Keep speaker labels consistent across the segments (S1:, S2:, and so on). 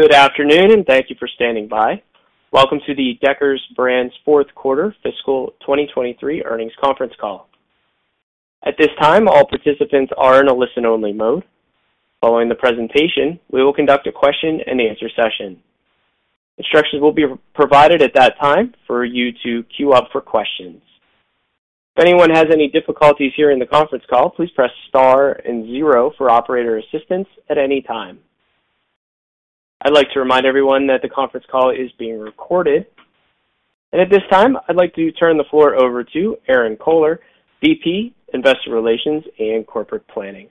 S1: Good afternoon. Thank you for standing by. Welcome to the Deckers Brands' fourth quarter fiscal 2023 earnings conference call. At this time, all participants are in a listen-only mode. Following the presentation, we will conduct a question-and-answer session. Instructions will be provided at that time for you to queue up for questions. If anyone has any difficulties hearing the conference call, please press star and zero for operator assistance at any time. I'd like to remind everyone that the conference call is being recorded. At this time, I'd like to turn the floor over to Erinn Kohler, VP, Investor Relations and Corporate Planning.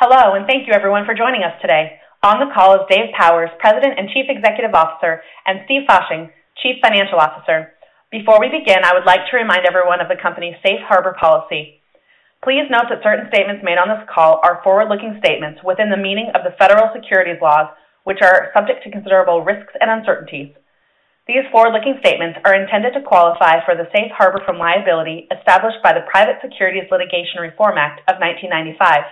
S2: Hello, and thank you, everyone, for joining us today. On the call is Dave Powers, President and Chief Executive Officer, and Steven Fasching, Chief Financial Officer. Before we begin, I would like to remind everyone of the company's Safe Harbor policy. Please note that certain statements made on this call are forward-looking statements within the meaning of the federal securities laws, which are subject to considerable risks and uncertainties. These forward-looking statements are intended to qualify for the Safe Harbor from liability established by the Private Securities Litigation Reform Act of 1995.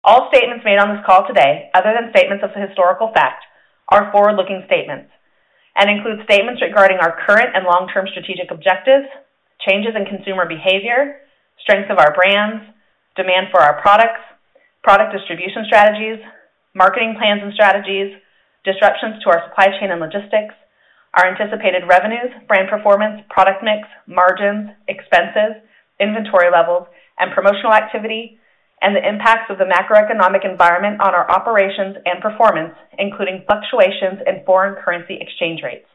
S2: All statements made on this call today, other than statements of historical fact, are forward-looking statements and include statements regarding our current and long-term strategic objectives, changes in consumer behavior, strength of our brands, demand for our products, product distribution strategies, marketing plans and strategies, disruptions to our supply chain and logistics, our anticipated revenues, brand performance, product mix, margins, expenses, inventory levels, and promotional activity, and the impacts of the macroeconomic environment on our operations and performance, including fluctuations in foreign currency exchange rates.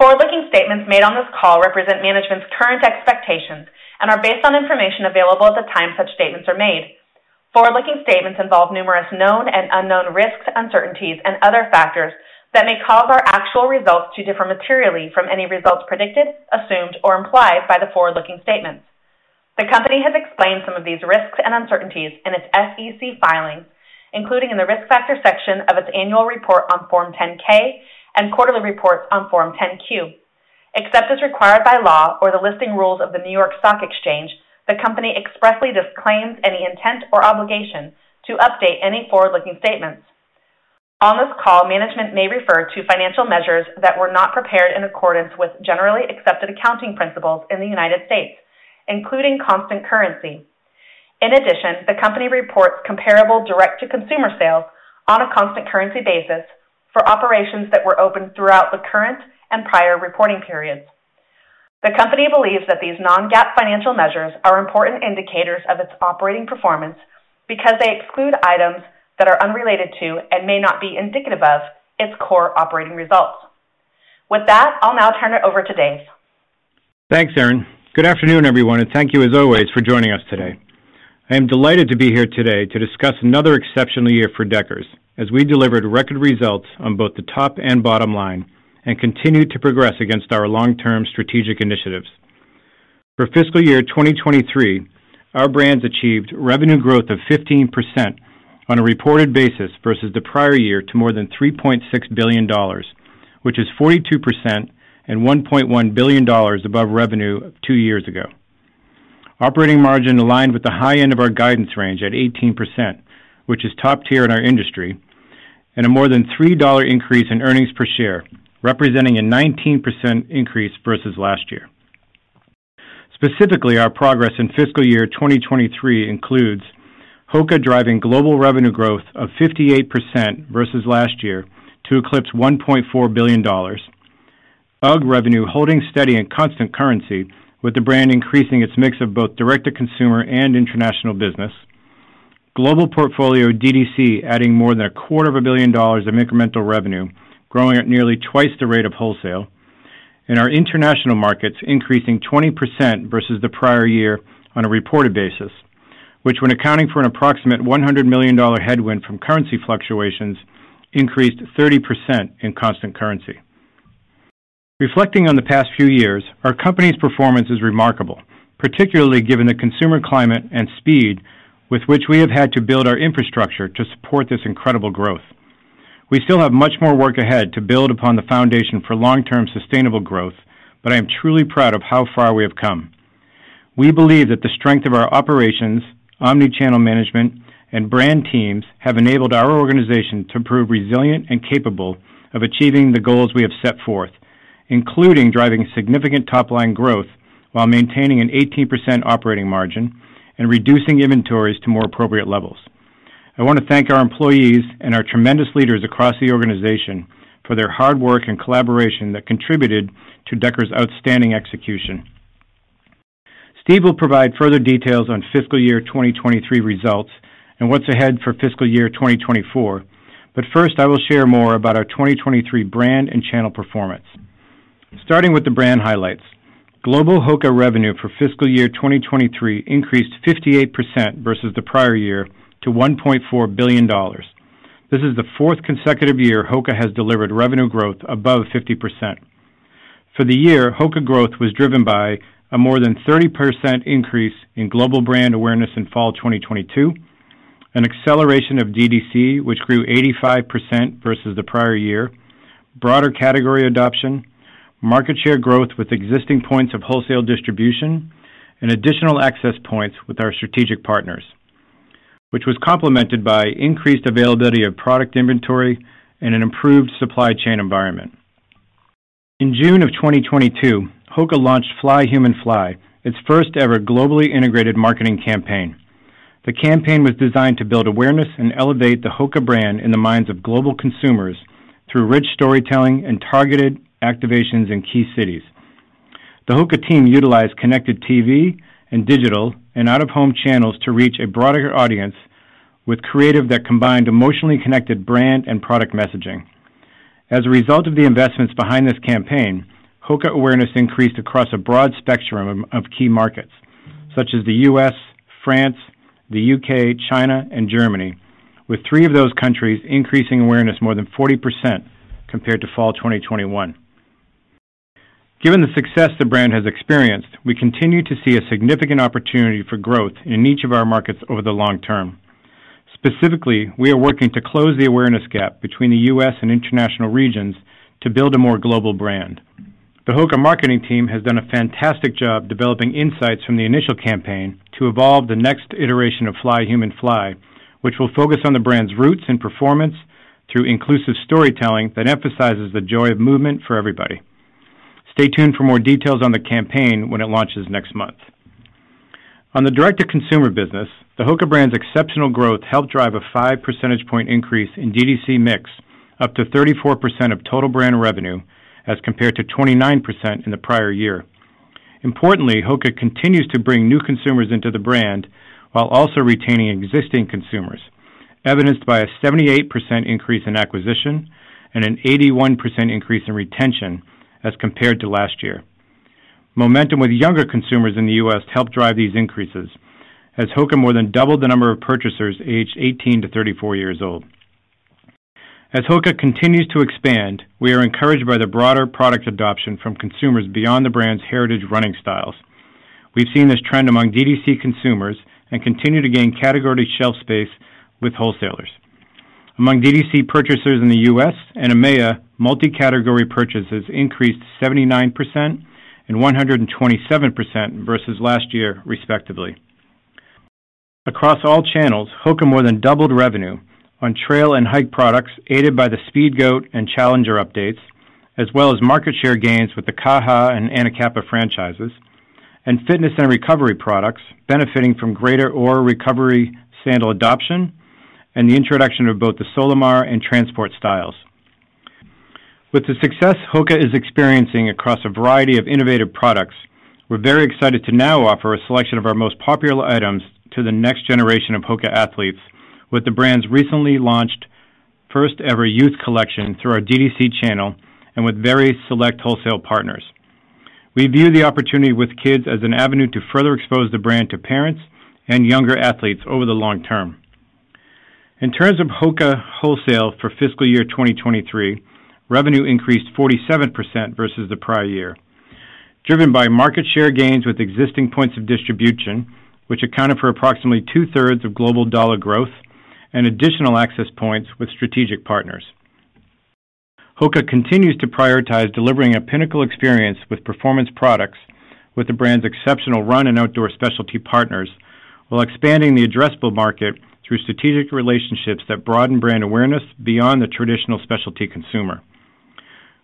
S2: Forward-looking statements made on this call represent management's current expectations and are based on information available at the time such statements are made. Forward-looking statements involve numerous known and unknown risks, uncertainties, and other factors that may cause our actual results to differ materially from any results predicted, assumed, or implied by the forward-looking statements. The company has explained some of these risks and uncertainties in its SEC filings, including in the Risk Factor section of its annual report on Form 10-K and quarterly reports on Form 10-Q. Except as required by law or the listing rules of the New York Stock Exchange, the company expressly disclaims any intent or obligation to update any forward-looking statements. On this call, management may refer to financial measures that were not prepared in accordance with generally accepted accounting principles in the United States, including constant currency. In addition, the company reports comparable direct-to-consumer sales on a constant currency basis for operations that were open throughout the current and prior reporting periods. The company believes that these non-GAAP financial measures are important indicators of its operating performance because they exclude items that are unrelated to and may not be indicative of its core operating results. With that, I'll now turn it over to Dave.
S3: Thanks, Erinn. Good afternoon, everyone, and thank you, as always, for joining us today. I am delighted to be here today to discuss another exceptional year for Deckers, as we delivered record results on both the top and bottom line and continued to progress against our long-term strategic initiatives. For fiscal year 2023, our brands achieved revenue growth of 15% on a reported basis versus the prior year to more than $3.6 billion, which is 42% and $1.1 billion above revenue two years ago. Operating margin aligned with the high end of our guidance range at 18%, which is top tier in our industry, and a more than $3 increase in earnings per share, representing a 19% increase versus last year. Specifically, our progress in fiscal year 2023 includes HOKA driving global revenue growth of 58% versus last year to eclipse $1.4 billion. UGG revenue holding steady and constant currency, with the brand increasing its mix of both direct-to-consumer and international business. Global portfolio DTC adding more than a quarter of a billion dollars of incremental revenue, growing at nearly twice the rate of wholesale. Our international markets increasing 20% versus the prior year on a reported basis, which, when accounting for an approximate $100 million headwind from currency fluctuations, increased 30% in constant currency. Reflecting on the past few years, our company's performance is remarkable, particularly given the consumer climate and speed with which we have had to build our infrastructure to support this incredible growth. We still have much more work ahead to build upon the foundation for long-term sustainable growth, but I am truly proud of how far we have come. We believe that the strength of our operations, omni-channel management, and brand teams have enabled our organization to prove resilient and capable of achieving the goals we have set forth, including driving significant top-line growth while maintaining an 18% operating margin and reducing inventories to more appropriate levels. I want to thank our employees and our tremendous leaders across the organization for their hard work and collaboration that contributed to Deckers' outstanding execution. Steven will provide further details on fiscal year 2023 results and what's ahead for fiscal year 2024. First, I will share more about our 2023 brand and channel performance. Starting with the brand highlights. Global HOKA revenue for fiscal year 2023 increased 58% versus the prior year to $1.4 billion. This is the fourth consecutive year HOKA has delivered revenue growth above 50%. For the year, HOKA growth was driven by a more than 30% increase in global brand awareness in fall 2022, an acceleration of DTC, which grew 85% versus the prior year.... broader category adoption, market share growth with existing points of wholesale distribution, and additional access points with our strategic partners, which was complemented by increased availability of product inventory and an improved supply chain environment. In June of 2022, HOKA launched Fly Human Fly, its first-ever globally integrated marketing campaign. The campaign was designed to build awareness and elevate the HOKA brand in the minds of global consumers through rich storytelling and targeted activations in key cities. The HOKA team utilized Connected TV and digital and out-of-home channels to reach a broader audience with creative that combined emotionally connected brand and product messaging. As a result of the investments behind this campaign, HOKA awareness increased across a broad spectrum of key markets, such as the U.S., France, the U.K., China, and Germany, with three of those countries increasing awareness more than 40% compared to fall 2021. Given the success the brand has experienced, we continue to see a significant opportunity for growth in each of our markets over the long term. Specifically, we are working to close the awareness gap between the U.S. and international regions to build a more global brand. The HOKA marketing team has done a fantastic job developing insights from the initial campaign to evolve the next iteration of Fly Human Fly, which will focus on the brand's roots and performance through inclusive storytelling that emphasizes the joy of movement for everybody. Stay tuned for more details on the campaign when it launches next month. On the direct-to-consumer business, the HOKA brand's exceptional growth helped drive a 5 percentage point increase in DTC mix, up to 34% of total brand revenue, as compared to 29% in the prior year. Importantly, HOKA continues to bring new consumers into the brand while also retaining existing consumers, evidenced by a 78% increase in acquisition and an 81% increase in retention as compared to last year. Momentum with younger consumers in the U.S. helped drive these increases, as HOKA more than doubled the number of purchasers aged 18-34 years old. HOKA continues to expand, we are encouraged by the broader product adoption from consumers beyond the brand's heritage running styles. We've seen this trend among DTC consumers and continue to gain category shelf space with wholesalers. Among DTC purchasers in the U.S. and EMEA, multi-category purchases increased 79% and 127% versus last year, respectively. Across all channels, HOKA more than doubled revenue on trail and hike products, aided by the Speedgoat and Challenger updates, as well as market share gains with the Kaha and Anacapa franchises, and fitness and recovery products benefiting from greater Ora Recovery sandal adoption and the introduction of both the Solimar and Transport styles. With the success HOKA is experiencing across a variety of innovative products, we're very excited to now offer a selection of our most popular items to the next generation of HOKA athletes with the brand's recently launched first-ever youth collection through our DTC channel and with very select wholesale partners. We view the opportunity with kids as an avenue to further expose the brand to parents and younger athletes over the long term. In terms of HOKA wholesale for fiscal year 2023, revenue increased 47% versus the prior year, driven by market share gains with existing points of distribution, which accounted for approximately 2/3 of global dollar growth and additional access points with strategic partners. HOKA continues to prioritize delivering a pinnacle experience with performance products with the brand's exceptional run and outdoor specialty partners, while expanding the addressable market through strategic relationships that broaden brand awareness beyond the traditional specialty consumer.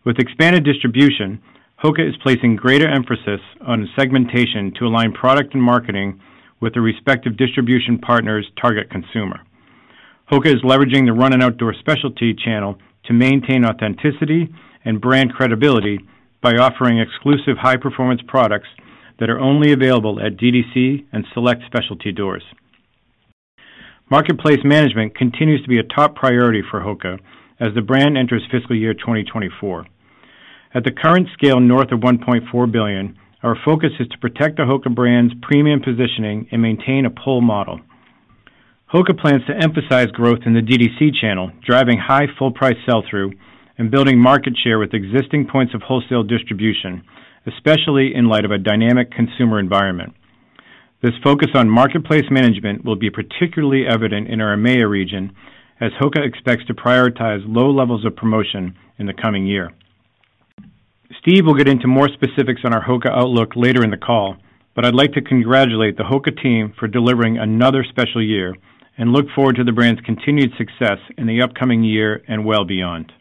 S3: With expanded distribution, HOKA is placing greater emphasis on segmentation to align product and marketing with the respective distribution partner's target consumer. HOKA is leveraging the run and outdoor specialty channel to maintain authenticity and brand credibility by offering exclusive high-performance products that are only available at DTC and select specialty doors. Marketplace management continues to be a top priority for HOKA as the brand enters fiscal year 2024. At the current scale, north of $1.4 billion, our focus is to protect the HOKA brand's premium positioning and maintain a pull model. HOKA plans to emphasize growth in the DTC channel, driving high full price sell-through and building market share with existing points of wholesale distribution, especially in light of a dynamic consumer environment. This focus on marketplace management will be particularly evident in our EMEA region, as HOKA expects to prioritize low levels of promotion in the coming year. Steven will get into more specifics on our HOKA outlook later in the call, but I'd like to congratulate the HOKA team for delivering another special year, and look forward to the brand's continued success in the upcoming year and well beyond.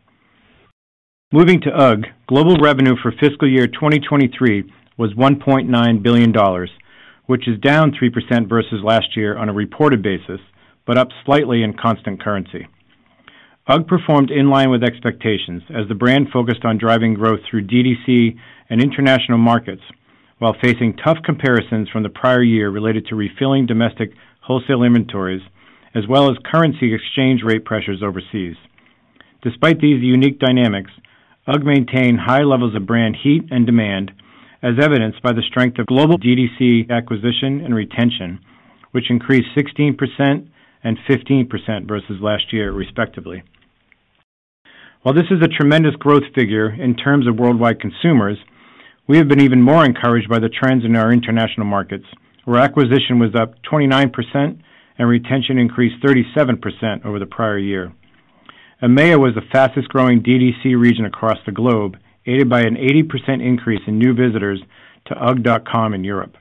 S3: Moving to UGG, global revenue for fiscal year 2023 was $1.9 billion, which is down 3% versus last year on a reported basis, but up slightly in constant currency. UGG performed in line with expectations as the brand focused on driving growth through DTC and international markets, while facing tough comparisons from the prior year related to refilling domestic wholesale inventories, as well as currency exchange rate pressures overseas. Despite these unique dynamics, UGG maintained high levels of brand heat and demand, as evidenced by the strength of global DTC acquisition and retention, which increased 16% and 15% versus last year, respectively. While this is a tremendous growth figure in terms of worldwide consumers, we have been even more encouraged by the trends in our international markets, where acquisition was up 29% and retention increased 37% over the prior year. EMEA was the fastest-growing DTC region across the globe, aided by an 80% increase in new visitors to ugg.com in Europe.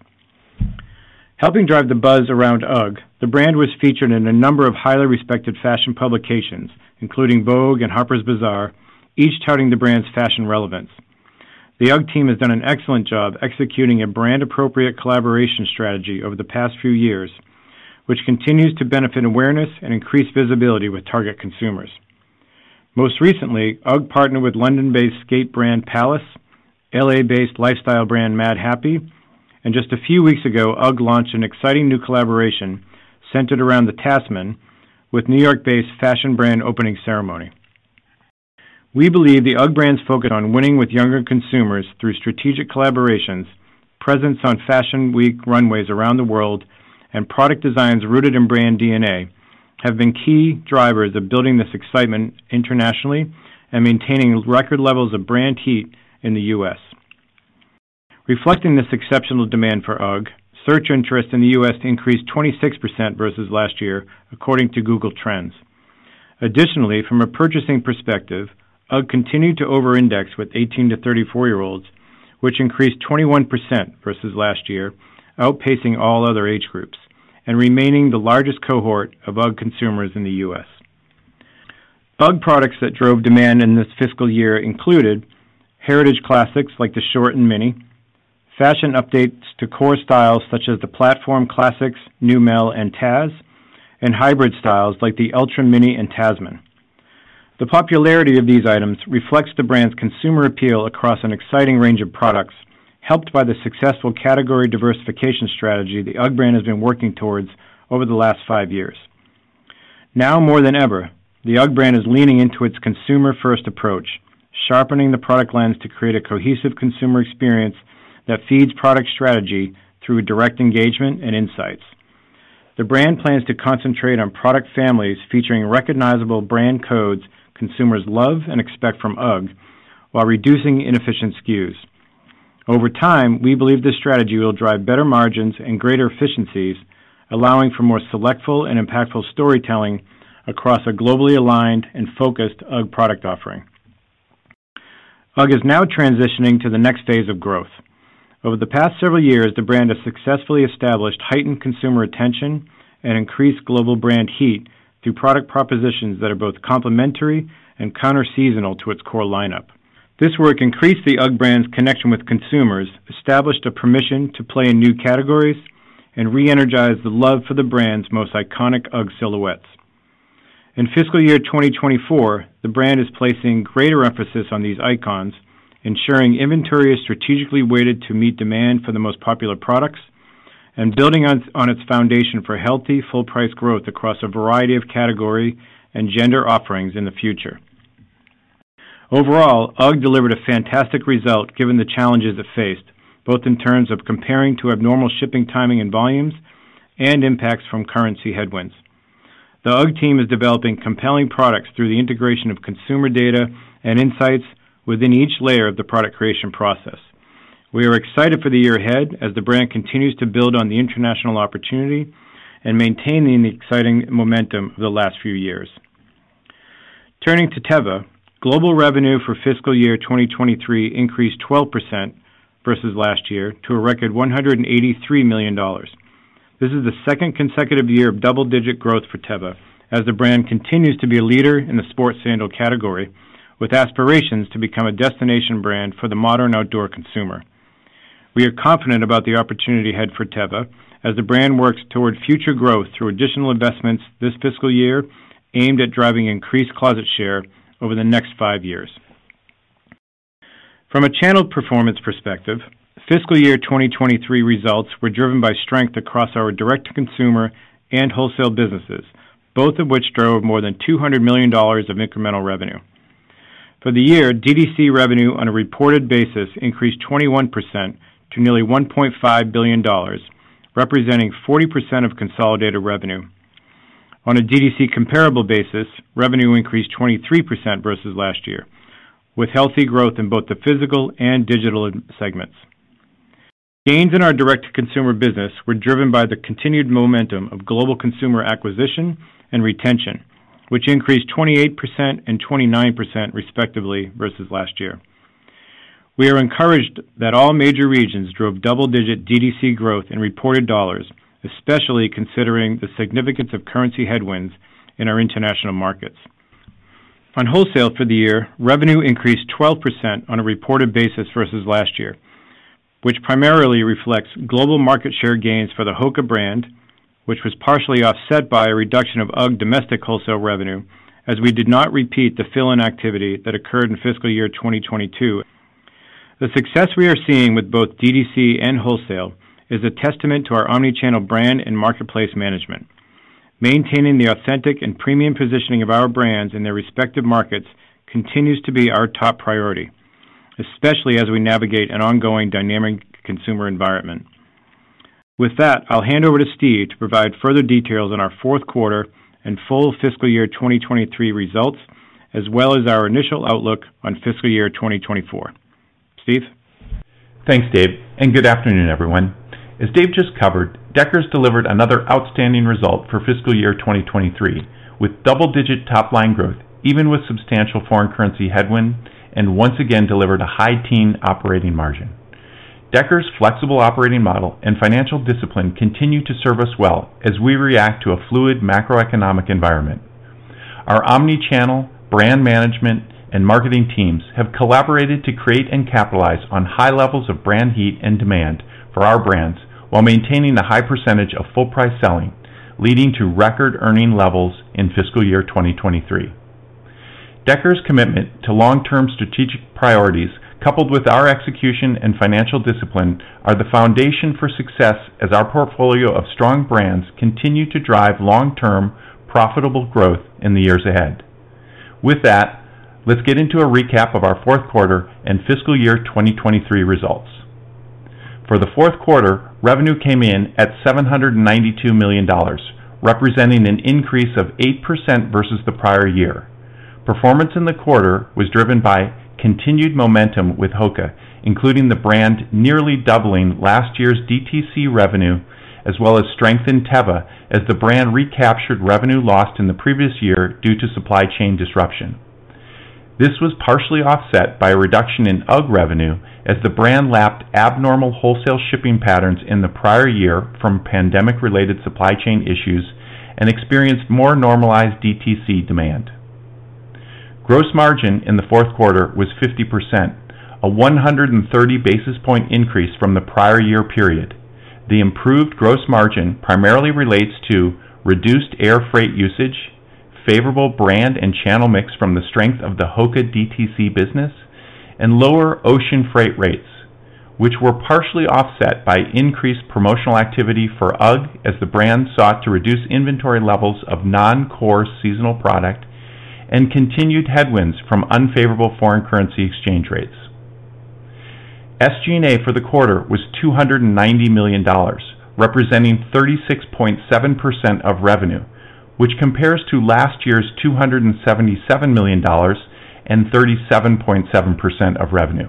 S3: Helping drive the buzz around UGG, the brand was featured in a number of highly respected fashion publications, including Vogue and Harper's Bazaar, each touting the brand's fashion relevance. The UGG team has done an excellent job executing a brand-appropriate collaboration strategy over the past few years, which continues to benefit awareness and increase visibility with target consumers. Most recently, UGG partnered with London-based skate brand Palace, L.A.-based lifestyle brand Madhappy, and just a few weeks ago, UGG launched an exciting new collaboration centered around the Tasman with New York-based fashion brand Opening Ceremony. We believe the UGG brand's focus on winning with younger consumers through strategic collaborations, presence on Fashion Week runways around the world, and product designs rooted in brand DNA, have been key drivers of building this excitement internationally and maintaining record levels of brand heat in the U.S. Reflecting this exceptional demand for UGG, search interest in the U.S. increased 26% versus last year, according to Google Trends. Additionally, from a purchasing perspective, UGG continued to over-index with 18- to 34-year-olds, which increased 21% versus last year, outpacing all other age groups and remaining the largest cohort of UGG consumers in the U.S. UGG products that drove demand in this fiscal year included: heritage classics like the Short and Mini, fashion updates to core styles such as the platform classics, Neumel, and Tazz, and hybrid styles like the Ultra Mini and Tasman. The popularity of these items reflects the brand's consumer appeal across an exciting range of products, helped by the successful category diversification strategy the UGG brand has been working towards over the last five years. Now more than ever, the UGG brand is leaning into its consumer-first approach, sharpening the product lens to create a cohesive consumer experience that feeds product strategy through direct engagement and insights. The brand plans to concentrate on product families featuring recognizable brand codes consumers love and expect from UGG while reducing inefficient SKUs. Over time, we believe this strategy will drive better margins and greater efficiencies, allowing for more selectful and impactful storytelling across a globally aligned and focused UGG product offering. UGG is now transitioning to the next phase of growth. Over the past several years, the brand has successfully established heightened consumer attention and increased global brand heat through product propositions that are both complementary and counter-seasonal to its core lineup. This work increased the UGG brand's connection with consumers, established a permission to play in new categories, and re-energized the love for the brand's most iconic UGG silhouettes. In fiscal year 2024, the brand is placing greater emphasis on these icons, ensuring inventory is strategically weighted to meet demand for the most popular products and building on its foundation for healthy, full price growth across a variety of category and gender offerings in the future. Overall, UGG delivered a fantastic result given the challenges it faced, both in terms of comparing to abnormal shipping timing and volumes and impacts from currency headwinds. The UGG team is developing compelling products through the integration of consumer data and insights within each layer of the product creation process. We are excited for the year ahead as the brand continues to build on the international opportunity and maintaining the exciting momentum of the last few years. Turning to Teva, global revenue for fiscal year 2023 increased 12% versus last year to a record $183 million. This is the second consecutive year of double-digit growth for Teva, as the brand continues to be a leader in the sports sandal category, with aspirations to become a destination brand for the modern outdoor consumer. We are confident about the opportunity ahead for Teva as the brand works toward future growth through additional investments this fiscal year, aimed at driving increased closet share over the next five years. From a channel performance perspective, fiscal year 2023 results were driven by strength across our direct-to-consumer and wholesale businesses, both of which drove more than $200 million of incremental revenue. For the year, DTC revenue on a reported basis increased 21% to nearly $1.5 billion, representing 40% of consolidated revenue. On a DTC comparable basis, revenue increased 23% versus last year, with healthy growth in both the physical and digital segments. Gains in our direct-to-consumer business were driven by the continued momentum of global consumer acquisition and retention, which increased 28% and 29%, respectively, versus last year. We are encouraged that all major regions drove double-digit DTC growth in reported dollars, especially considering the significance of currency headwinds in our international markets. On wholesale for the year, revenue increased 12% on a reported basis versus last year, which primarily reflects global market share gains for the HOKA brand, which was partially offset by a reduction of UGG domestic wholesale revenue, as we did not repeat the fill-in activity that occurred in fiscal year 2022. The success we are seeing with both DTC and wholesale is a testament to our omni-channel brand and marketplace management. Maintaining the authentic and premium positioning of our brands in their respective markets continues to be our top priority, especially as we navigate an ongoing dynamic consumer environment. With that, I'll hand over to Steven to provide further details on our fourth quarter and full fiscal year 2023 results, as well as our initial outlook on fiscal year 2024. Steven?
S4: Thanks, Dave. Good afternoon, everyone. As Dave just covered, Deckers delivered another outstanding result for fiscal year 2023, with double-digit top-line growth, even with substantial foreign currency headwind, and once again delivered a high-teen operating margin. Deckers' flexible operating model and financial discipline continue to serve us well as we react to a fluid macroeconomic environment. Our omni-channel, brand management, and marketing teams have collaborated to create and capitalize on high levels of brand heat and demand for our brands while maintaining a high percentage of full price selling, leading to record earning levels in fiscal year 2023. Deckers' commitment to long-term strategic priorities, coupled with our execution and financial discipline, are the foundation for success as our portfolio of strong brands continue to drive long-term, profitable growth in the years ahead. With that, let's get into a recap of our fourth quarter and fiscal year 2023 results. For the fourth quarter, revenue came in at $792 million, representing an increase of 8% versus the prior year. Performance in the quarter was driven by continued momentum with HOKA, including the brand nearly doubling last year's DTC revenue, as well as strength in Teva, as the brand recaptured revenue lost in the previous year due to supply chain disruption. This was partially offset by a reduction in UGG revenue as the brand lapped abnormal wholesale shipping patterns in the prior year from pandemic-related supply chain issues and experienced more normalized DTC demand. Gross margin in the fourth quarter was 50%, a 130 basis point increase from the prior year period. The improved gross margin primarily relates to reduced air freight usage, favorable brand and channel mix from the strength of the HOKA DTC business, and lower ocean freight rates, which were partially offset by increased promotional activity for UGG as the brand sought to reduce inventory levels of non-core seasonal product and continued headwinds from unfavorable foreign currency exchange rates. SG&A for the quarter was $290 million, representing 36.7% of revenue, which compares to last year's $277 million and 37.7% of revenue.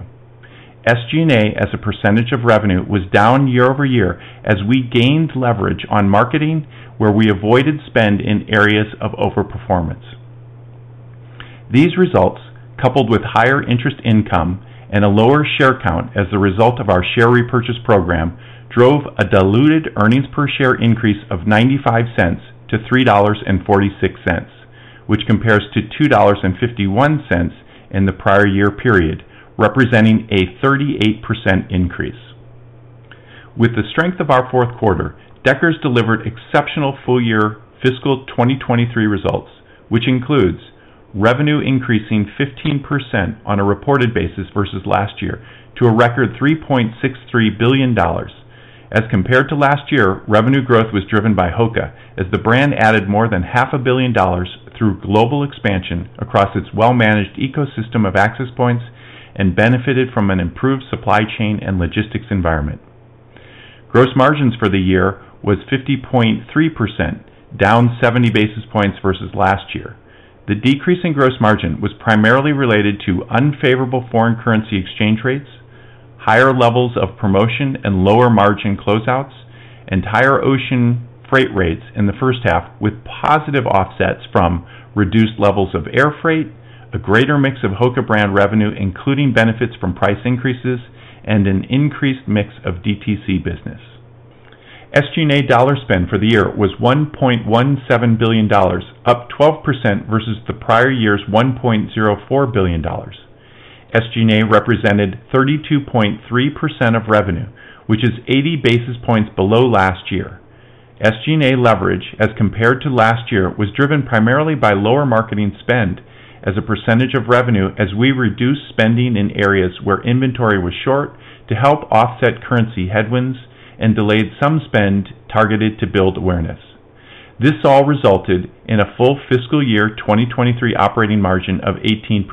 S4: SG&A, as a percentage of revenue, was down year-over-year as we gained leverage on marketing, where we avoided spend in areas of over-performance. These results, coupled with higher interest income and a lower share count as a result of our share repurchase program, drove a diluted earnings per share increase of $0.95 to $3.46, which compares to $2.51 in the prior year period, representing a 38% increase. With the strength of our fourth quarter, Deckers delivered exceptional full year fiscal 2023 results, which includes revenue increasing 15% on a reported basis versus last year to a record $3.63 billion. As compared to last year, revenue growth was driven by HOKA, as the brand added more than half a billion dollars through global expansion across its well-managed ecosystem of access points and benefited from an improved supply chain and logistics environment. Gross margins for the year was 50.3%, down 70 basis points versus last year. The decrease in gross margin was primarily related to unfavorable foreign currency exchange rates, higher levels of promotion and lower margin closeouts, and higher ocean freight rates in the first half, with positive offsets from reduced levels of air freight, a greater mix of HOKA brand revenue, including benefits from price increases, and an increased mix of DTC business. SG&A dollar spend for the year was $1.17 billion, up 12% versus the prior year's $1.04 billion. SG&A represented 32.3% of revenue, which is 80 basis points below last year. SG&A leverage, as compared to last year, was driven primarily by lower marketing spend as a percentage of revenue, as we reduced spending in areas where inventory was short to help offset currency headwinds and delayed some spend targeted to build awareness. This all resulted in a full fiscal year 2023 operating margin of 18%,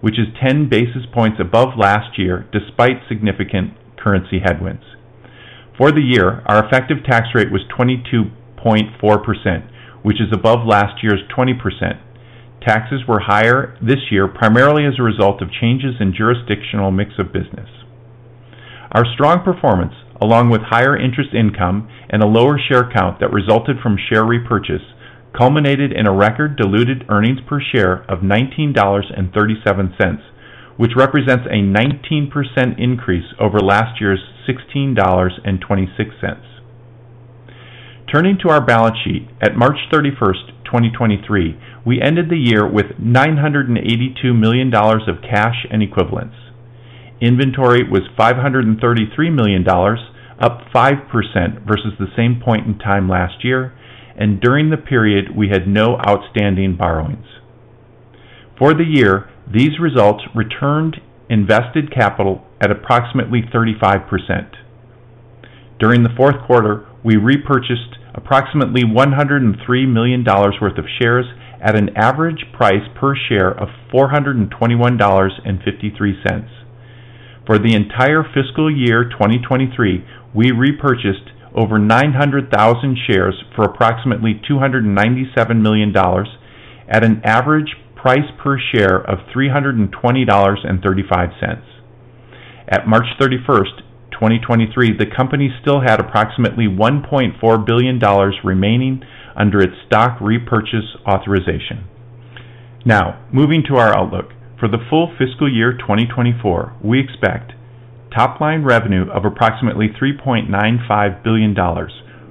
S4: which is 10 basis points above last year, despite significant currency headwinds. For the year, our effective tax rate was 22.4%, which is above last year's 20%. Taxes were higher this year, primarily as a result of changes in jurisdictional mix of business. Our strong performance, along with higher interest income and a lower share count that resulted from share repurchase, culminated in a record diluted earnings per share of $19.37, which represents a 19% increase over last year's $16.26. Turning to our balance sheet, at March 31st, 2023, we ended the year with $982 million of cash and equivalents. Inventory was $533 million, up 5% versus the same point in time last year. During the period, we had no outstanding borrowings. For the year, these results returned invested capital at approximately 35%. During the fourth quarter, we repurchased approximately $103 million worth of shares at an average price per share of $421.53. For the entire fiscal year 2023, we repurchased over 900,000 shares for approximately $297 million at an average price per share of $320.35. At March 31st, 2023, the company still had approximately $1.4 billion remaining under its stock repurchase authorization. Moving to our outlook. For the full fiscal year 2024, we expect top-line revenue of approximately $3.95 billion,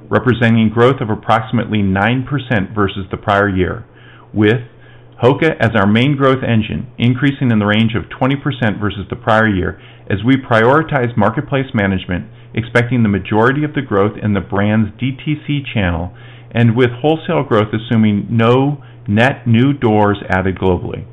S4: representing growth of approximately 9% versus the prior year, with HOKA as our main growth engine, increasing in the range of 20% versus the prior year as we prioritize marketplace management, expecting the majority of the growth in the brand's DTC channel and with wholesale growth, assuming no net new doors added globally.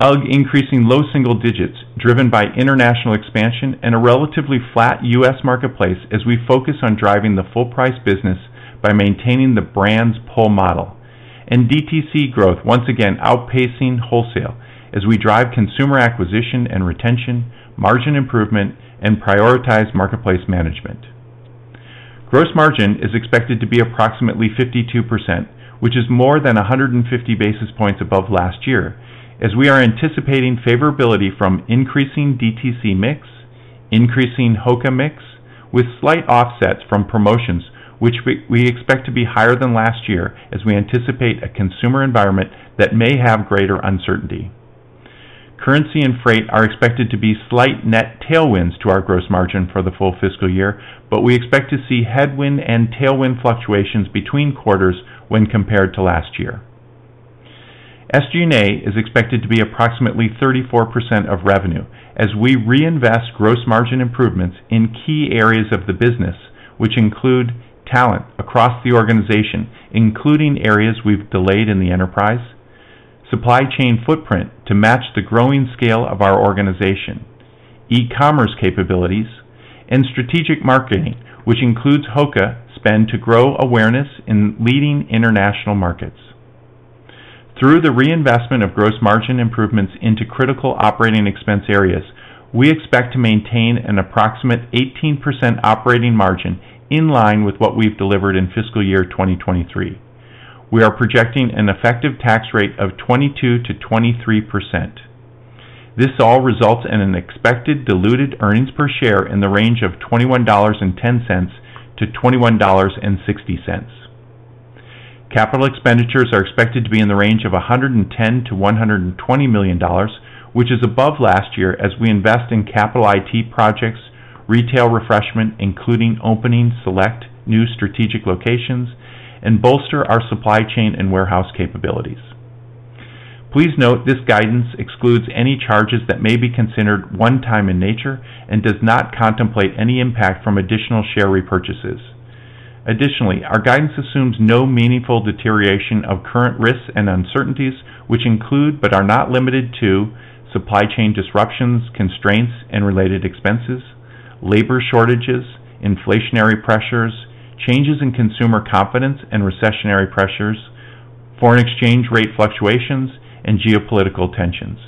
S4: UGG increasing low single digits, driven by international expansion and a relatively flat US marketplace as we focus on driving the full price business by maintaining the brand's pull model. DTC growth once again outpacing wholesale as we drive consumer acquisition and retention, margin improvement, and prioritize marketplace management. Gross margin is expected to be approximately 52%, which is more than 150 basis points above last year, as we are anticipating favorability from increasing DTC mix, increasing HOKA mix, with slight offsets from promotions, which we expect to be higher than last year as we anticipate a consumer environment that may have greater uncertainty. Currency and freight are expected to be slight net tailwinds to our gross margin for the full fiscal year, but we expect to see headwind and tailwind fluctuations between quarters when compared to last year. SG&A is expected to be approximately 34% of revenue as we reinvest gross margin improvements in key areas of the business, which include talent across the organization, including areas we've delayed in the enterprise, supply chain footprint to match the growing scale of our organization, e-commerce capabilities, and strategic marketing, which includes HOKA spend to grow awareness in leading international markets. Through the reinvestment of gross margin improvements into critical operating expense areas, we expect to maintain an approximate 18% operating margin in line with what we've delivered in fiscal year 2023. We are projecting an effective tax rate of 22%-23%. This all results in an expected diluted earnings per share in the range of $21.10-$21.60. Capital expenditures are expected to be in the range of $110 million-$120 million, which is above last year as we invest in capital IT projects, retail refreshment, including opening select new strategic locations, and bolster our supply chain and warehouse capabilities. Please note, this guidance excludes any charges that may be considered one time in nature and does not contemplate any impact from additional share repurchases. Additionally, our guidance assumes no meaningful deterioration of current risks and uncertainties, which include, but are not limited to: supply chain disruptions, constraints, and related expenses, labor shortages, inflationary pressures, changes in consumer confidence and recessionary pressures, foreign exchange rate fluctuations, and geopolitical tensions.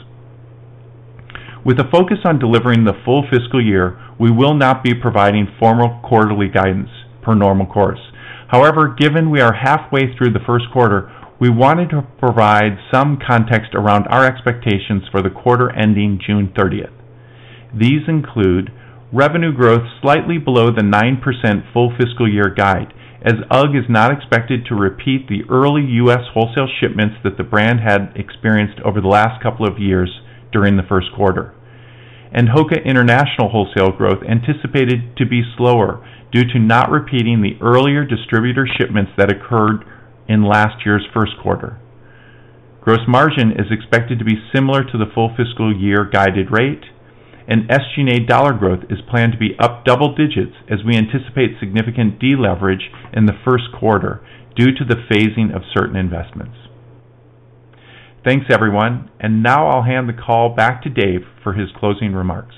S4: With a focus on delivering the full fiscal year, we will not be providing formal quarterly guidance per normal course. However, given we are halfway through the first quarter, we wanted to provide some context around our expectations for the quarter ending June 30th. These include revenue growth slightly below the 9% full fiscal year guide, as UGG is not expected to repeat the early U.S. wholesale shipments that the brand had experienced over the last couple of years during the first quarter. HOKA international wholesale growth anticipated to be slower due to not repeating the earlier distributor shipments that occurred in last year's first quarter. Gross margin is expected to be similar to the full fiscal year guided rate, and SG&A dollar growth is planned to be up double digits as we anticipate significant deleverage in the first quarter due to the phasing of certain investments. Thanks, everyone. Now I'll hand the call back to Dave for his closing remarks.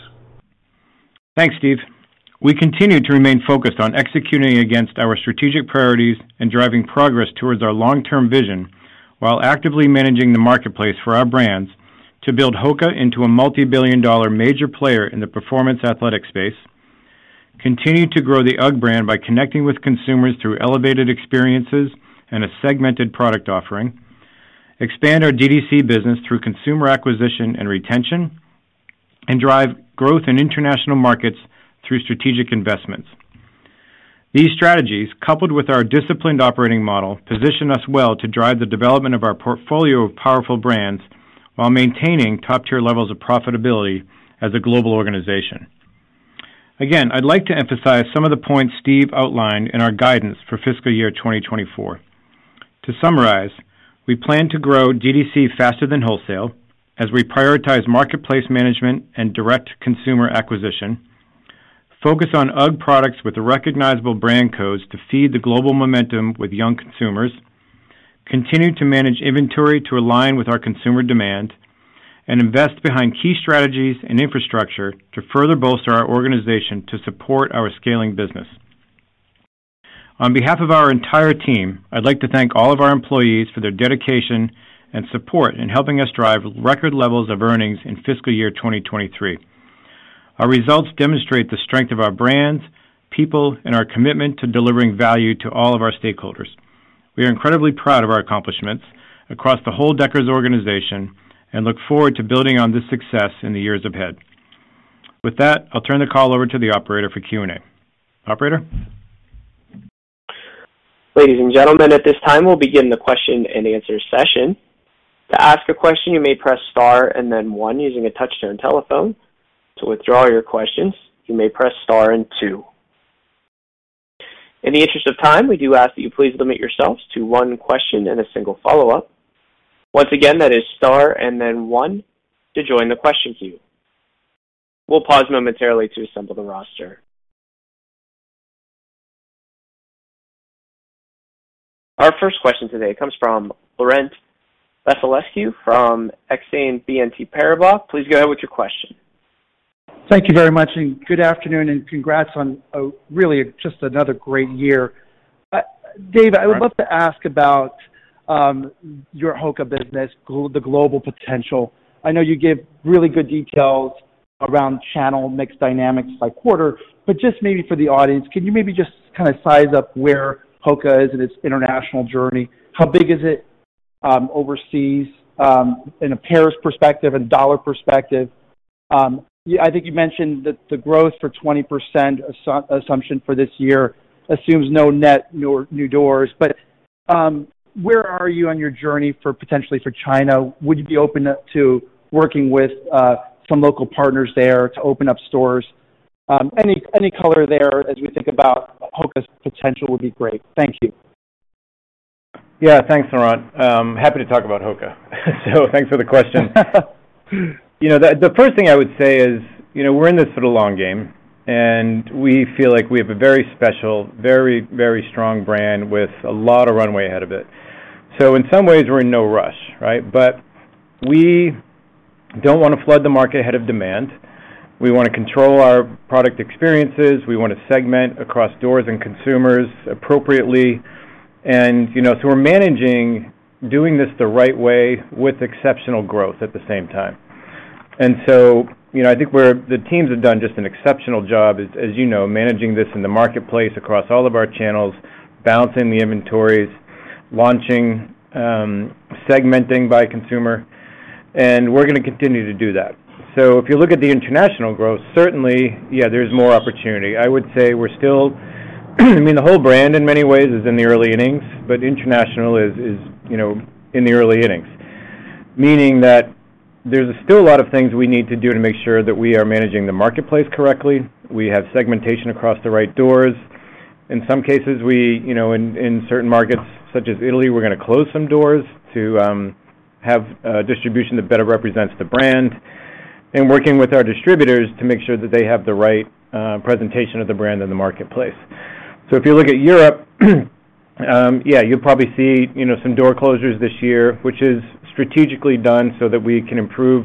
S3: Thanks, Steven. We continue to remain focused on executing against our strategic priorities and driving progress towards our long-term vision while actively managing the marketplace for our brands to build HOKA into a multibillion-dollar major player in the performance athletic space, continue to grow the UGG brand by connecting with consumers through elevated experiences and a segmented product offering, expand our DTC business through consumer acquisition and retention, and drive growth in international markets through strategic investments. These strategies, coupled with our disciplined operating model, position us well to drive the development of our portfolio of powerful brands while maintaining top-tier levels of profitability as a global organization. Again, I'd like to emphasize some of the points Steven outlined in our guidance for fiscal year 2024. To summarize, we plan to grow DTC faster than wholesale as we prioritize marketplace management and direct consumer acquisition, focus on UGG products with recognizable brand codes to feed the global momentum with young consumers, continue to manage inventory to align with our consumer demand, and invest behind key strategies and infrastructure to further bolster our organization to support our scaling business. On behalf of our entire team, I'd like to thank all of our employees for their dedication and support in helping us drive record levels of earnings in fiscal year 2023. Our results demonstrate the strength of our brands, people, and our commitment to delivering value to all of our stakeholders. We are incredibly proud of our accomplishments across the whole Deckers organization, and look forward to building on this success in the years ahead. With that, I'll turn the call over to the operator for Q&A. Operator?
S1: Ladies and gentlemen, at this time, we'll begin the question-and-answer session. To ask a question, you may press star and then one using a touchtone telephone. To withdraw your questions, you may press Star and Two. In the interest of time, we do ask that you please limit yourselves to one question and a single follow-up. Once again, that is star and then one to join the question queue. We'll pause momentarily to assemble the roster. Our first question today comes from Laurent Vasilescu from Exane BNP Paribas. Please go ahead with your question.
S5: Thank you very much, and good afternoon, and congrats on really just another great year. Dave, I would love to ask about your HOKA business, the global potential. I know you give really good details around channel mix dynamics by quarter, but just maybe for the audience, can you maybe just kind of size up where HOKA is in its international journey? How big is it overseas in a pairs perspective and dollar perspective? I think you mentioned that the growth for 20% assumption for this year assumes no net, no new doors. Where are you on your journey for, potentially for China? Would you be open up to working with some local partners there to open up stores? Any color there as we think about HOKA's potential would be great. Thank you.
S3: Thanks, Laurent. Happy to talk about HOKA, thanks for the question. You know, the first thing I would say is, you know, we're in this for the long game, and we feel like we have a very special, very strong brand with a lot of runway ahead of it. In some ways, we're in no rush, right? We don't wanna flood the market ahead of demand. We wanna control our product experiences. We wanna segment across doors and consumers appropriately, you know, we're managing doing this the right way with exceptional growth at the same time. You know, I think the teams have done just an exceptional job, as you know, managing this in the marketplace across all of our channels, balancing the inventories, launching, segmenting by consumer, and we're gonna continue to do that. If you look at the international growth, certainly, yeah, there's more opportunity. I would say we're still, I mean, the whole brand in many ways is in the early innings, but international is, you know, in the early innings. Meaning that there's still a lot of things we need to do to make sure that we are managing the marketplace correctly. We have segmentation across the right doors. In some cases, we, you know, in certain markets, such as Italy, we're gonna close some doors to have distribution that better represents the brand, and working with our distributors to make sure that they have the right presentation of the brand in the marketplace. If you look at Europe, yeah, you'll probably see, you know, some door closures this year, which is strategically done so that we can improve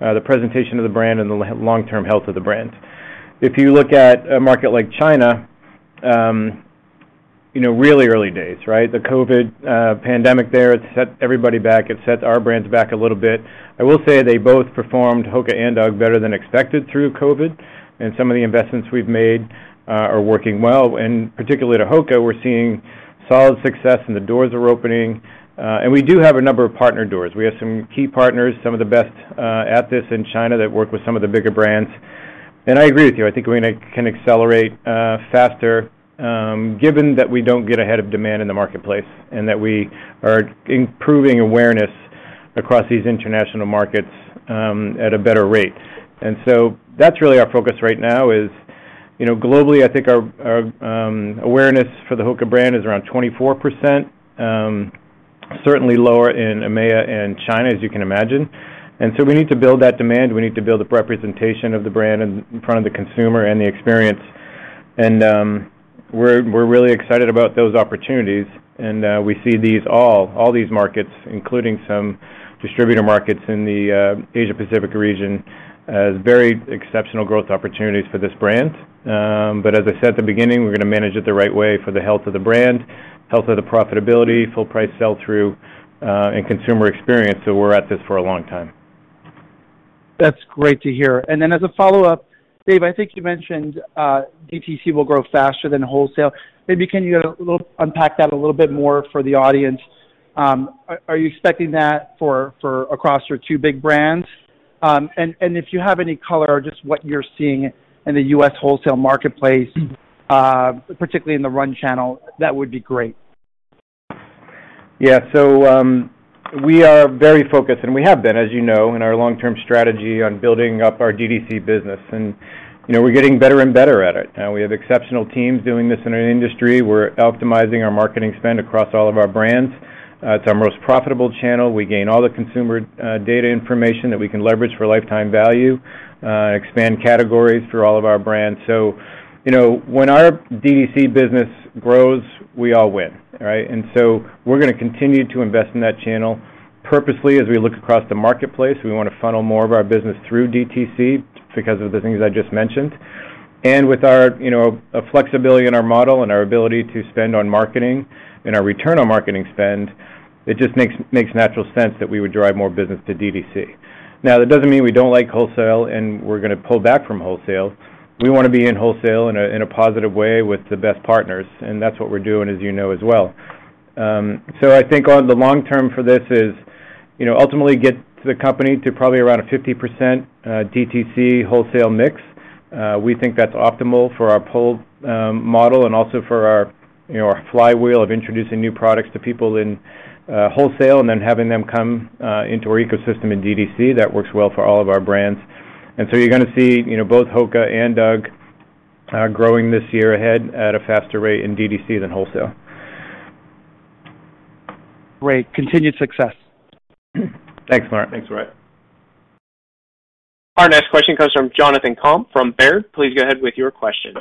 S3: the presentation of the brand and the long-term health of the brand. If you look at a market like China, you know, really early days, right? The COVID pandemic there, it set everybody back. It set our brands back a little bit. I will say they both performed, HOKA and UGG, better than expected through COVID, and some of the investments we've made are working well. Particularly to HOKA, we're seeing solid success, and the doors are opening, and we do have a number of partner doors. We have some key partners, some of the best, at this in China, that work with some of the bigger brands. I agree with you. I think we can accelerate faster, given that we don't get ahead of demand in the marketplace, and that we are improving awareness across these international markets at a better rate. That's really our focus right now is. You know, globally, I think our awareness for the HOKA brand is around 24%. Certainly lower in EMEA and China, as you can imagine. We need to build that demand. We need to build a representation of the brand in front of the consumer and the experience. We're really excited about those opportunities, and we see all these markets, including some distributor markets in the Asia Pacific region, as very exceptional growth opportunities for this brand. As I said at the beginning, we're gonna manage it the right way for the health of the brand, health of the profitability, full price sell-through, and consumer experience. We're at this for a long time.
S5: That's great to hear. As a follow-up, Dave, I think you mentioned, DTC will grow faster than wholesale. Maybe can you unpack that a little bit more for the audience? Are you expecting that for across your two big brands? If you have any color on just what you're seeing in the U.S. wholesale marketplace, particularly in the run channel, that would be great.
S3: Yeah. We are very focused, and we have been, as you know, in our long-term strategy on building up our DTC business, and, you know, we're getting better and better at it. We have exceptional teams doing this in our industry. We're optimizing our marketing spend across all of our brands. It's our most profitable channel. We gain all the consumer data information that we can leverage for lifetime value, expand categories through all of our brands. You know, when our DTC business grows, we all win, right? We're gonna continue to invest in that channel. Purposely, as we look across the marketplace, we want to funnel more of our business through DTC because of the things I just mentioned. With our, you know, flexibility in our model and our ability to spend on marketing and our return on marketing spend, it just makes natural sense that we would drive more business to DTC. Now, that doesn't mean we don't like wholesale and we're gonna pull back from wholesale. We want to be in wholesale in a positive way with the best partners, and that's what we're doing, as you know as well. So I think on the long term for this is, you know, ultimately get the company to probably around a 50% DTC wholesale mix. We think that's optimal for our pull model and also for our, you know, our flywheel of introducing new products to people in wholesale and then having them come into our ecosystem in DTC. That works well for all of our brands. You're gonna see, you know, both HOKA and UGG growing this year ahead at a faster rate in DTC than wholesale.
S5: Great, continued success.
S3: Thanks, Laurent.
S5: Thanks, Dave.
S1: Our next question comes from Jonathan Komp, from Baird. Please go ahead with your question.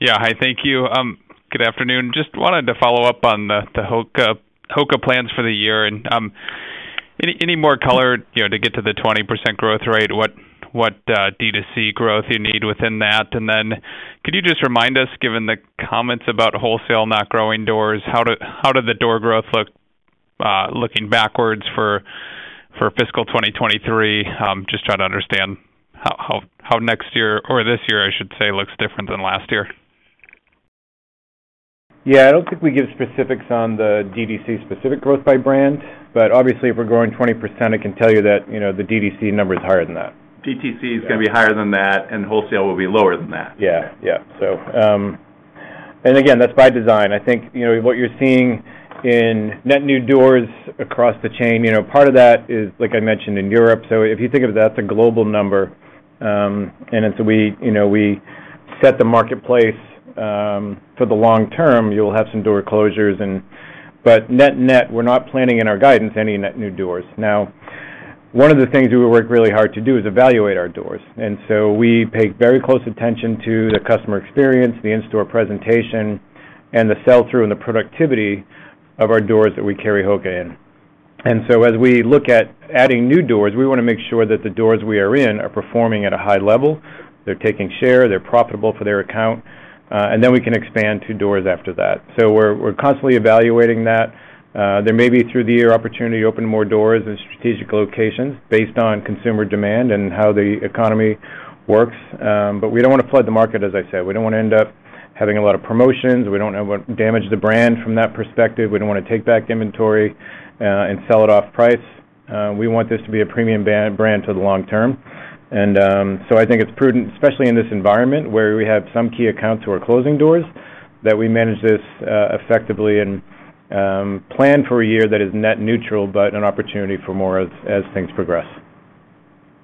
S6: Yeah. Hi, thank you. Good afternoon. Just wanted to follow up on the HOKA plans for the year. Any more color, you know, to get to the 20% growth rate, what DTC growth you need within that? Then could you just remind us, given the comments about wholesale not growing doors, how did the door growth look looking backwards for fiscal 2023? Just trying to understand how next year, or this year, I should say, looks different than last year.
S3: Yeah. I don't think we give specifics on the DTC specific growth by brand, obviously, if we're growing 20%, I can tell you that, you know, the DTC number is higher than that.
S4: DTC is gonna be higher than that, and wholesale will be lower than that.
S3: Yeah. Yeah. And again, that's by design. I think, you know, what you're seeing in net new doors across the chain, you know, part of that is, like I mentioned, in Europe. If you think of that, the global number, and as we, you know, we set the marketplace for the long term, you'll have some door closures. Net-net, we're not planning in our guidance any net new doors. One of the things we work really hard to do is evaluate our doors, and so we pay very close attention to the customer experience, the in-store presentation, and the sell-through and the productivity of our doors that we carry HOKA in. As we look at adding new doors, we wanna make sure that the doors we are in are performing at a high level, they're taking share, they're profitable for their account, and then we can expand to doors after that. We're constantly evaluating that. There may be through the year opportunity to open more doors in strategic locations based on consumer demand and how the economy works, we don't wanna flood the market, as I said. We don't wanna end up having a lot of promotions. We don't wanna damage the brand from that perspective. We don't wanna take back inventory and sell it off price. We want this to be a premium brand to the long term. I think it's prudent, especially in this environment, where we have some key accounts who are closing doors, that we manage this effectively and plan for a year that is net neutral, but an opportunity for more as things progress.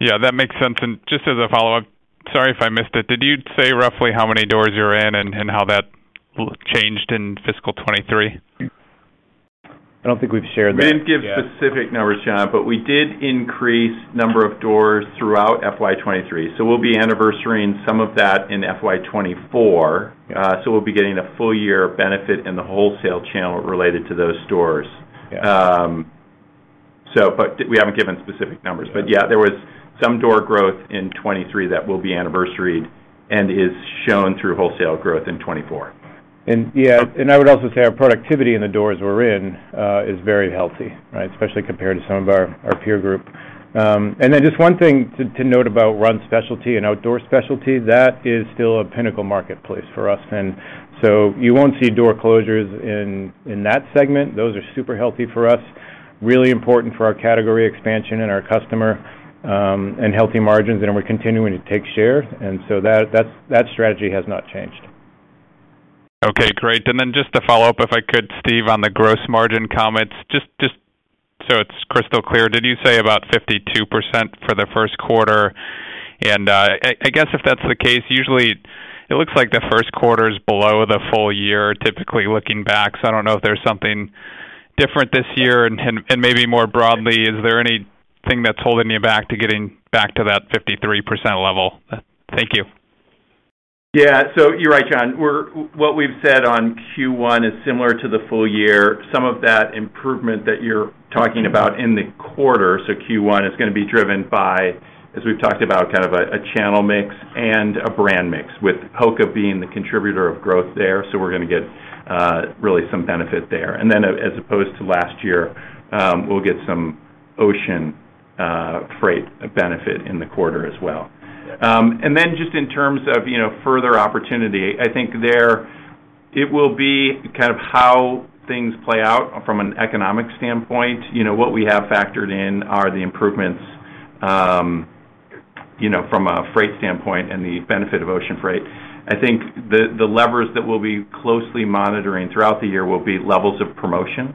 S6: Yeah, that makes sense. Just as a follow-up, sorry if I missed it, did you say roughly how many doors you're in and how that changed in fiscal 2023?
S3: I don't think we've shared that.
S4: We didn't give specific numbers, Jonathan, but we did increase number of doors throughout FY 2023, so we'll be anniversarying some of that in FY 2024. We'll be getting a full year benefit in the wholesale channel related to those stores.
S3: Yeah.
S4: We haven't given specific numbers. Yeah, there was some door growth in 2023 that will be anniversaried and is shown through wholesale growth in 2024.
S3: Yeah, and I would also say our productivity in the doors we're in is very healthy, right? Especially compared to some of our peer group. Just one thing to note about run specialty and outdoor specialty, that is still a pinnacle marketplace for us. You won't see door closures in that segment. Those are super healthy for us, really important for our category expansion and our customer, and healthy margins, and we're continuing to take share, and so that strategy has not changed.
S6: Okay, great. Just to follow up, if I could, Steven, on the gross margin comments, just so it's crystal clear, did you say about 52% for the first quarter? I guess if that's the case, usually it looks like the first quarter is below the full year, typically looking back. I don't know if there's something different this year. Maybe more broadly, is there anything that's holding you back to getting back to that 53% level? Thank you.
S4: You're right, Jonathan. What we've said on Q1 is similar to the full year. Some of that improvement that you're talking about in the quarter, so Q1, is gonna be driven by, as we've talked about, kind of a channel mix and a brand mix, with HOKA being the contributor of growth there. We're gonna get really some benefit there. Then as opposed to last year, we'll get some ocean freight benefit in the quarter as well. Then just in terms of, you know, further opportunity, I think there, it will be kind of how things play out from an economic standpoint. You know, what we have factored in are the improvements, you know, from a freight standpoint and the benefit of ocean freight. I think the levers that we'll be closely monitoring throughout the year will be levels of promotion.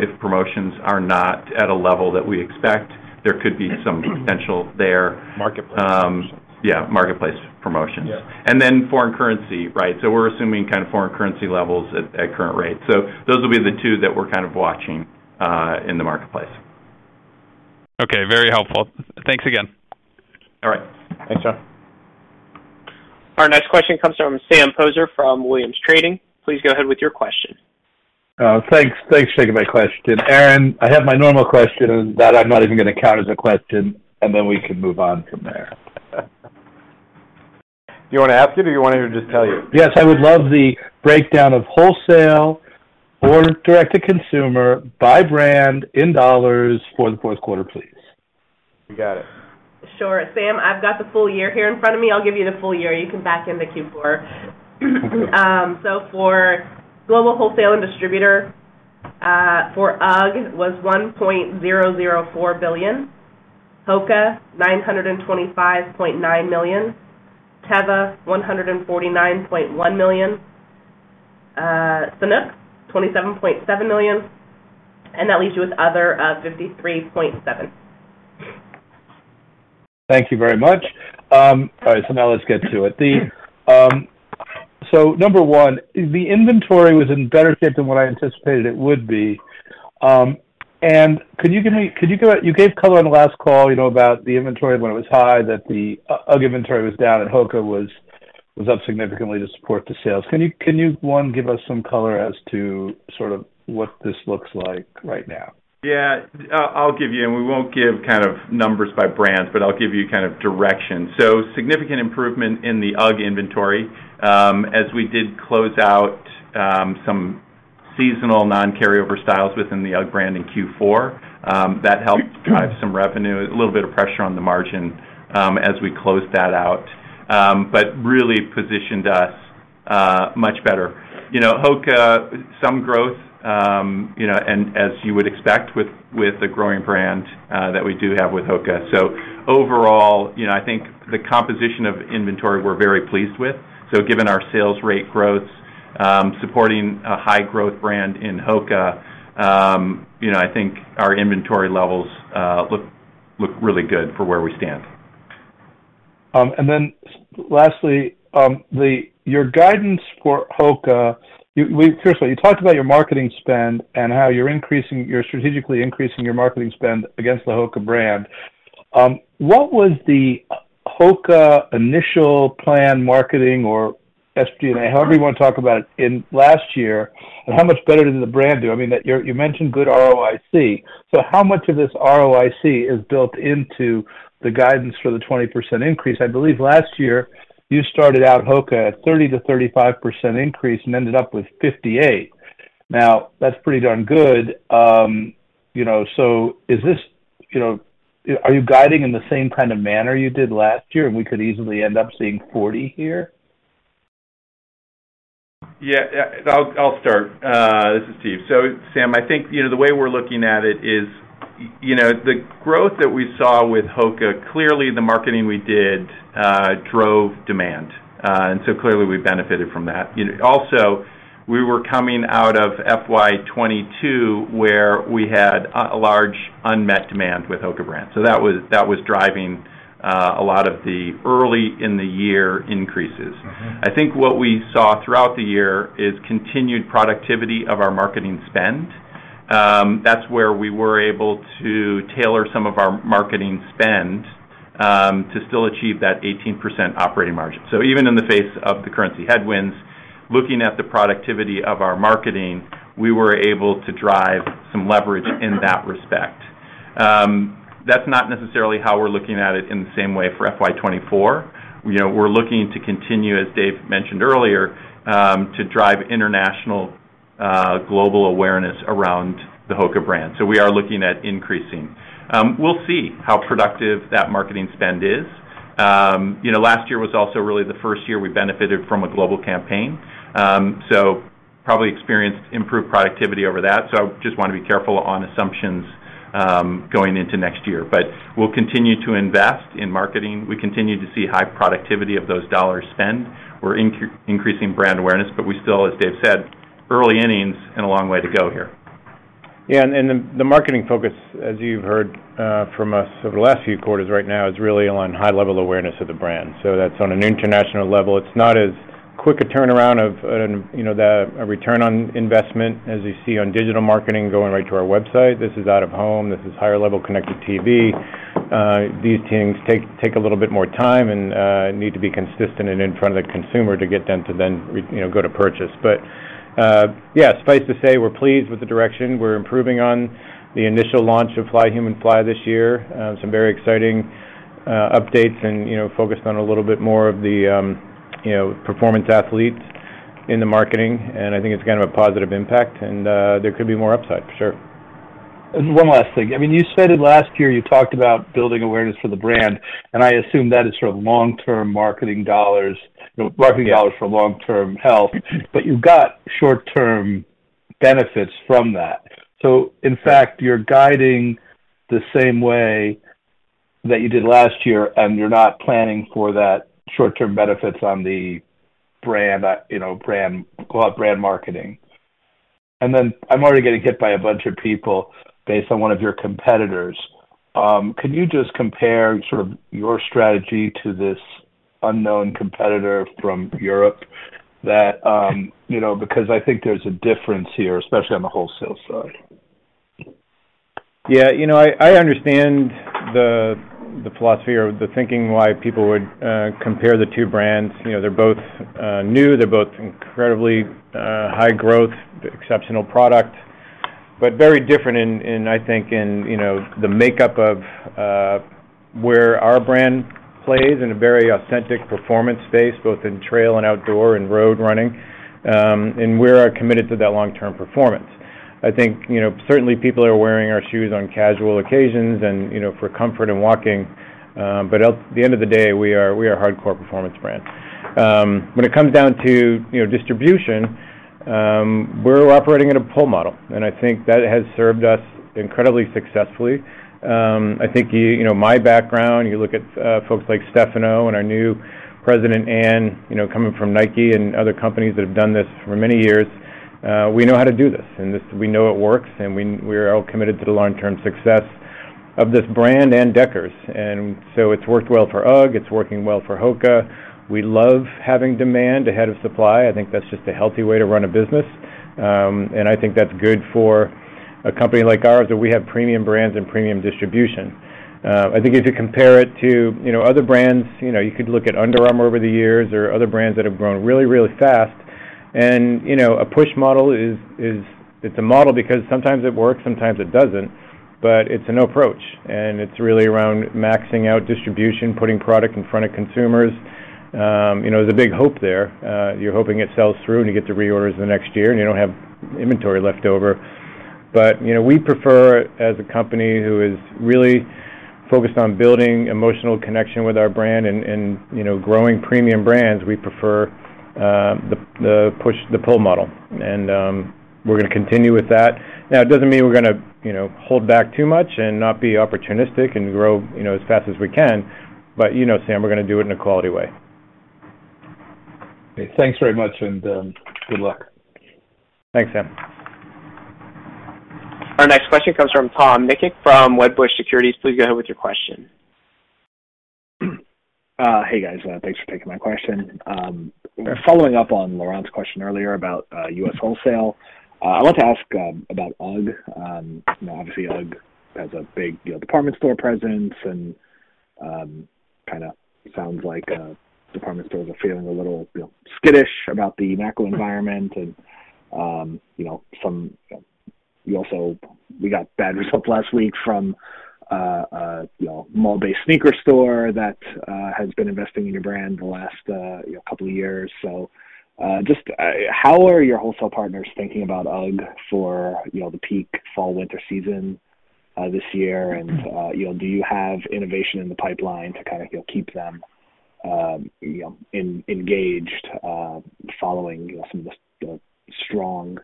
S4: If promotions are not at a level that we expect, there could be some potential there.
S3: Marketplace promotions.
S4: Yeah, marketplace promotions.
S3: Yeah.
S4: foreign currency, right? We're assuming kind of foreign currency levels at current rates. Those will be the two that we're kind of watching in the marketplace.
S6: Okay. Very helpful. Thanks again.
S4: All right.
S1: Thanks, Jonathan. Our next question comes from Sam Poser from Williams Trading. Please go ahead with your question.
S7: Thanks. Thanks for taking my question, Aaron. I have my normal question that I'm not even going to count as a question, and then we can move on from there.
S4: You want to ask it or you want me to just tell you?
S7: Yes, I would love the breakdown of wholesale or direct-to-consumer by brand in dollars for the fourth quarter, please.
S4: You got it.
S2: Sure. Sam, I've got the full year here in front of me. I'll give you the full year. You can back into Q4. For global wholesale and distributor, for UGG was $1.004 billion, HOKA, $925.9 million, Teva, $149.1 million, Sanuk, $27.7 million, and that leaves you with other, $53.7 million.
S7: Thank you very much. All right, now let's get to it. The. Number one, the inventory was in better shape than what I anticipated it would be. Could you go, you gave color on the last call, you know, about the inventory when it was high, that the UGG inventory was down and HOKA was up significantly to support the sales. Can you, one, give us some color as to sort of what this looks like right now?
S4: I'll give you, and we won't give kind of numbers by brands, but I'll give you kind of direction. Significant improvement in the UGG inventory, as we did close out some seasonal non-carryover styles within the UGG brand in Q4. That helped drive some revenue, a little bit of pressure on the margin, as we closed that out, but really positioned us much better. You know, HOKA, some growth, you know, and as you would expect with a growing brand that we do have with HOKA. Overall, you know, I think the composition of inventory, we're very pleased with. Given our sales rate growths, supporting a high-growth brand in HOKA, you know, I think our inventory levels look really good for where we stand.
S7: Lastly, your guidance for HOKA, first of all, you talked about your marketing spend and how you're strategically increasing your marketing spend against the HOKA brand. What was the HOKA initial plan, marketing or SG&A, however you want to talk about in last year, and how much better did the brand do? I mean, you mentioned good ROIC. How much of this ROIC is built into the guidance for the 20% increase? I believe last year, you started out HOKA at 30%-35% increase and ended up with 58%. That's pretty darn good. You know, is this, are you guiding in the same kind of manner you did last year, and we could easily end up seeing 40% here?
S4: Yeah, I'll start. This is Steven. Sam, I think, you know, the way we're looking at it is, you know, the growth that we saw with HOKA, clearly the marketing we did, drove demand. Clearly we benefited from that. Also, we were coming out of FY 2022, where we had a large unmet demand with HOKA brand. That was driving a lot of the early in the year increases.
S7: Mm-hmm.
S4: I think what we saw throughout the year is continued productivity of our marketing spend. That's where we were able to tailor some of our marketing spend to still achieve that 18% operating margin. Even in the face of the currency headwinds, looking at the productivity of our marketing, we were able to drive some leverage in that respect. That's not necessarily how we're looking at it in the same way for FY 2024. You know, we're looking to continue, as Dave mentioned earlier, to drive international global awareness around the HOKA brand. We are looking at increasing. We'll see how productive that marketing spend is. You know, last year was also really the first year we benefited from a global campaign, so probably experienced improved productivity over that. Just want to be careful on assumptions, going into next year. We'll continue to invest in marketing. We continue to see high productivity of those dollars spent. We're increasing brand awareness, but we still, as Dave said, early innings and a long way to go here.
S3: The marketing focus, as you've heard, from us over the last few quarters right now, is really on high-level awareness of the brand. That's on an international level. It's not as quick a turnaround of, you know, a return on investment as you see on digital marketing going right to our website. This is out of home, this is higher level Connected TV. These things take a little bit more time and need to be consistent and in front of the consumer to get them to then, you know, go to purchase. Suffice to say, we're pleased with the direction. We're improving on the initial launch of Fly Human Fly this year. Some very exciting updates and, you know, focused on a little bit more of the, you know, performance athletes in the marketing, and I think it's again a positive impact, and there could be more upside, for sure.
S7: One last thing. I mean, you stated last year, you talked about building awareness for the brand, and I assume that is sort of long-term marketing dollars, you know, marketing dollars for long-term health, but you've got short-term benefits from that. In fact, you're guiding the same way that you did last year, and you're not planning for that short-term benefits on the brand, you know, brand, call it brand marketing. Then I'm already getting hit by a bunch of people based on one of your competitors. Could you just compare sort of your strategy to this unknown competitor from Europe that, you know, because I think there's a difference here, especially on the wholesale side?
S3: Yeah, you know, I understand the philosophy or the thinking why people would compare the two brands. You know, they're both new, they're both incredibly high growth, exceptional product, but very different in, I think, in, you know, the makeup of where our brand plays in a very authentic performance space, both in trail and outdoor and road running. We're committed to that long-term performance. I think, you know, certainly people are wearing our shoes on casual occasions and, you know, for comfort and walking, but at the end of the day, we are a hardcore performance brand. When it comes down to, you know, distribution, we're operating in a pull model, I think that has served us incredibly successfully. I think, you know, my background, you look at folks like Stefano and our new president, Anne, you know, coming from Nike and other companies that have done this for many years, we know how to do this, we know it works, and we're all committed to the long-term success of this brand and Deckers. It's worked well for UGG, it's working well for HOKA. We love having demand ahead of supply. I think that's just a healthy way to run a business. I think that's good for a company like ours, that we have premium brands and premium distribution. I think if you compare it to, you know, other brands, you know, you could look at Under Armour over the years or other brands that have grown really, really fast. You know, a push model it's a model because sometimes it works, sometimes it doesn't, but it's an approach, and it's really around maxing out distribution, putting product in front of consumers. You know, the big hope there, you're hoping it sells through and you get the reorders the next year, and you don't have inventory left over. You know, we prefer, as a company who is really focused on building emotional connection with our brand and, you know, growing premium brands, we prefer the pull model, and we're gonna continue with that. It doesn't mean we're gonna, you know, hold back too much and not be opportunistic and grow, you know, as fast as we can. You know, Sam, we're gonna do it in a quality way.
S7: Okay, thanks very much, and, good luck.
S3: Thanks, Sam.
S1: Our next question comes from Tom Nikic from Wedbush Securities. Please go ahead with your question.
S8: Hey, guys, thanks for taking my question. Following up on Laurent's question earlier about U.S. wholesale, I want to ask about UGG. You know, obviously, UGG has a big department store presence, and kind of sounds like department stores are feeling a little, feel skittish about the macro environment. You know, we got bad results last week from, you know, mall-based sneaker store that has been investing in your brand the last, you know, couple of years. Just, how are your wholesale partners thinking about UGG for, you know, the peak fall/winter season this year? You know, do you have innovation in the pipeline to kind of, you know, keep them, you know, engaged following some of the strong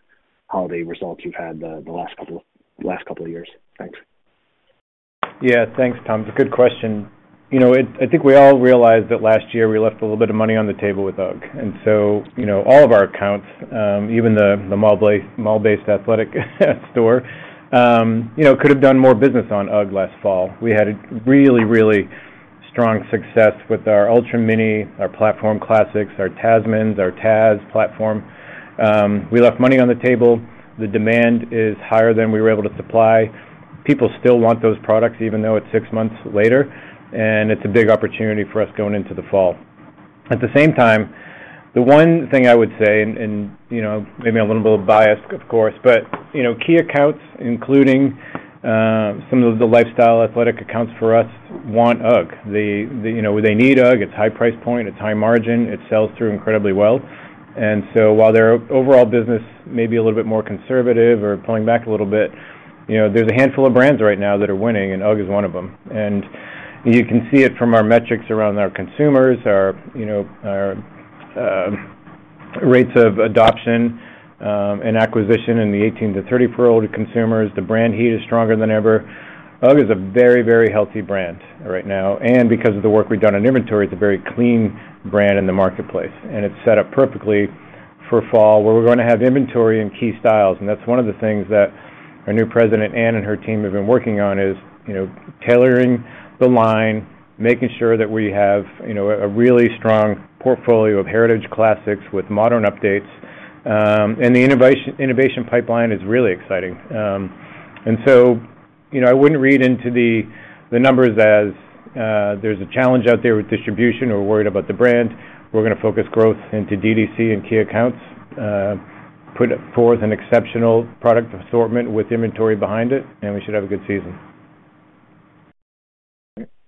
S8: holiday results you've had the last couple of years? Thanks.
S3: Thanks, Tom. It's a good question. You know, I think we all realized that last year we left a little bit of money on the table with UGG, you know, all of our accounts, even the mall-based athletic store, you know, could have done more business on UGG last fall. We had a really strong success with our Ultra Mini, our platform classics, our Tasmans, our Tazz platform. We left money on the table. The demand is higher than we were able to supply. People still want those products, even though it's six months later, and it's a big opportunity for us going into the fall. At the same time, the one thing I would say, and, you know, maybe I'm a little bit biased, of course, but, you know, key accounts, including some of the lifestyle athletic accounts for us, want UGG. They, you know, they need UGG. It's high price point, it's high margin, it sells through incredibly well. While their overall business may be a little bit more conservative or pulling back a little bit, you know, there's a handful of brands right now that are winning, and UGG is one of them. You can see it from our metrics around our consumers, our, you know, rates of adoption and acquisition in the 18 to 34-year-old consumers. The brand heat is stronger than ever. UGG is a very, very healthy brand right now. Because of the work we've done in inventory, it's a very clean brand in the marketplace, and it's set up perfectly for fall, where we're going to have inventory and key styles. That's one of the things that our new President, Ann, and her team have been working on is, you know, tailoring the line, making sure that we have, you know, a really strong portfolio of heritage classics with modern updates. The innovation pipeline is really exciting. You know, I wouldn't read into the numbers as there's a challenge out there with distribution or worried about the brand. We're gonna focus growth into DTC and key accounts, put forth an exceptional product assortment with inventory behind it, and we should have a good season.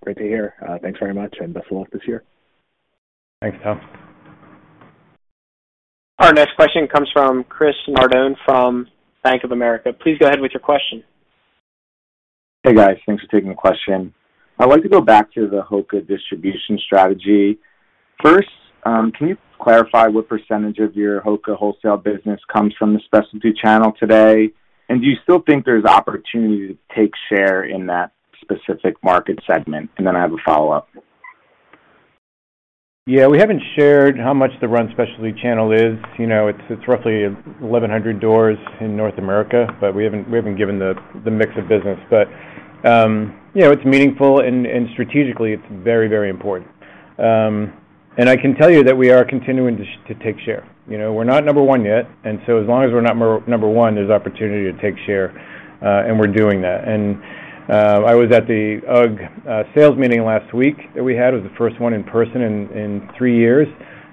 S8: Great to hear. Thanks very much, and best of luck this year.
S3: Thanks, Tom.
S1: Our next question comes from Christopher Nardone from Bank of America. Please go ahead with your question.
S9: Hey, guys. Thanks for taking the question. I want to go back to the HOKA distribution strategy. First, can you clarify what percentage of your HOKA wholesale business comes from the specialty channel today? Do you still think there's opportunity to take share in that specific market segment? I have a follow-up.
S3: Yeah, we haven't shared how much the run specialty channel is. You know, it's roughly 1,100 doors in North America, but we haven't given the mix of business. You know, it's meaningful, and strategically, it's very, very important. I can tell you that we are continuing to take share. You know, we're not number one yet, as long as we're not number one, there's opportunity to take share, we're doing that. I was at the UGG sales meeting last week that we had. It was the first one in person in three years,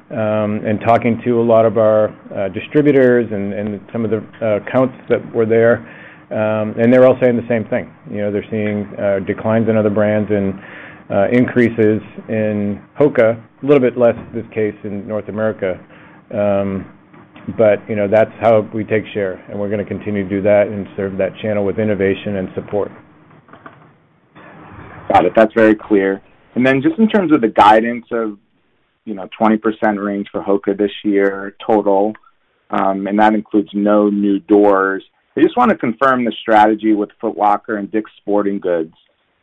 S3: talking to a lot of our distributors and some of the accounts that were there, they're all saying the same thing. You know, they're seeing, declines in other brands and, increases in HOKA, a little bit less this case in North America. You know, that's how we take share, and we're gonna continue to do that and serve that channel with innovation and support.
S9: Got it. That's very clear. Just in terms of the guidance of, you know, 20% range for HOKA this year total, and that includes no new doors. I just wanna confirm the strategy with Foot Locker and Dick's Sporting Goods.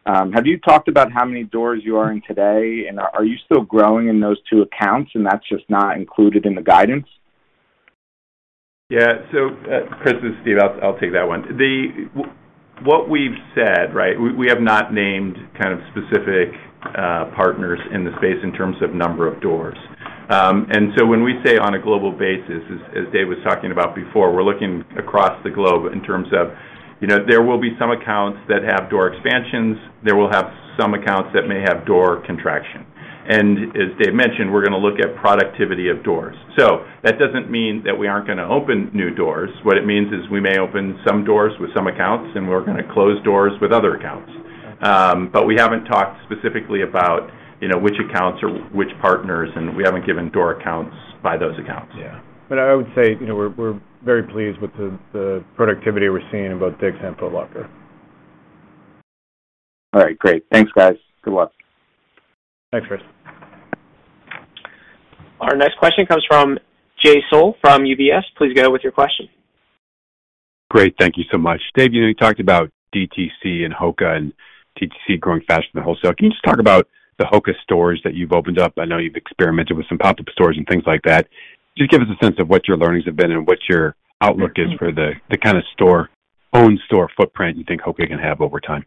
S9: Have you talked about how many doors you are in today, and are you still growing in those two accounts, and that's just not included in the guidance?
S4: Yeah. Christopher, this is Steven. I'll take that one. What we've said, right, we have not named kind of specific partners in the space in terms of number of doors. When we say on a global basis, as Dave was talking about before, we're looking across the globe in terms of, you know, there will be some accounts that have door expansions, there will have some accounts that may have door contraction. As Dave mentioned, we're gonna look at productivity of doors. That doesn't mean that we aren't gonna open new doors. What it means is we may open some doors with some accounts, and we're gonna close doors with other accounts. We haven't talked specifically about, you know, which accounts or which partners, and we haven't given door accounts by those accounts.
S3: Yeah. I would say, you know, we're very pleased with the productivity we're seeing in both Dick's and Foot Locker.
S9: All right, great. Thanks, guys. Good luck.
S3: Thanks, Christopher.
S1: Our next question comes from Jay Sole from UBS. Please go with your question.
S10: Great. Thank you so much. Dave, you know, you talked about DTC and HOKA and DTC growing faster than wholesale. Can you just talk about the HOKA stores that you've opened up? I know you've experimented with some pop-up stores and things like that. Give us a sense of what your learnings have been and what your outlook is for the kind of store-owned store footprint you think HOKA can have over time.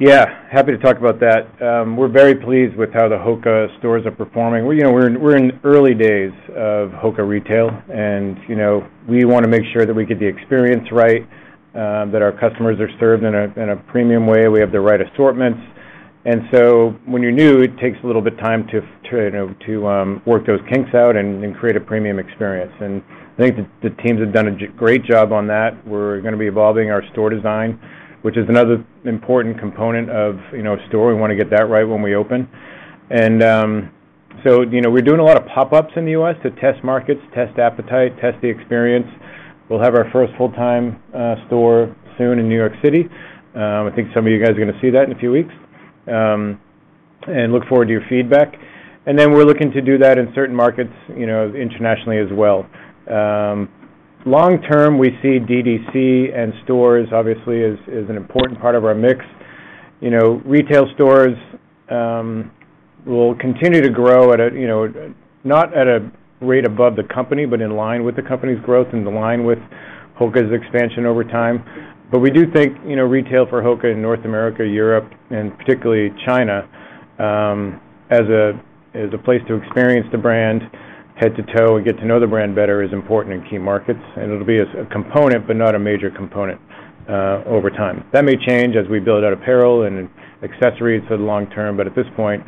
S3: Yeah, happy to talk about that. We're very pleased with how the HOKA stores are performing. We're, you know, we're in early days of HOKA retail, you know, we wanna make sure that we get the experience right, that our customers are served in a premium way, we have the right assortments. When you're new, it takes a little bit of time to, you know, to work those kinks out and create a premium experience. I think the teams have done a great job on that. We're gonna be evolving our store design, which is another important component of, you know, a store. We wanna get that right when we open. You know, we're doing a lot of pop-ups in the U.S. to test markets, test appetite, test the experience. We'll have our first full-time store soon in New York City. I think some of you guys are gonna see that in a few weeks and look forward to your feedback. We're looking to do that in certain markets, you know, internationally as well. Long term, we see DTC and stores, obviously, as an important part of our mix. You know, retail stores will continue to grow at a, you know, not at a rate above the company, but in line with the company's growth and in line with HOKA's expansion over time. We do think, you know, retail for HOKA in North America, Europe, and particularly China, as a, as a place to experience the brand head to toe and get to know the brand better, is important in key markets. It'll be a component, but not a major component, over time. That may change as we build out apparel and accessories for the long term, but at this point,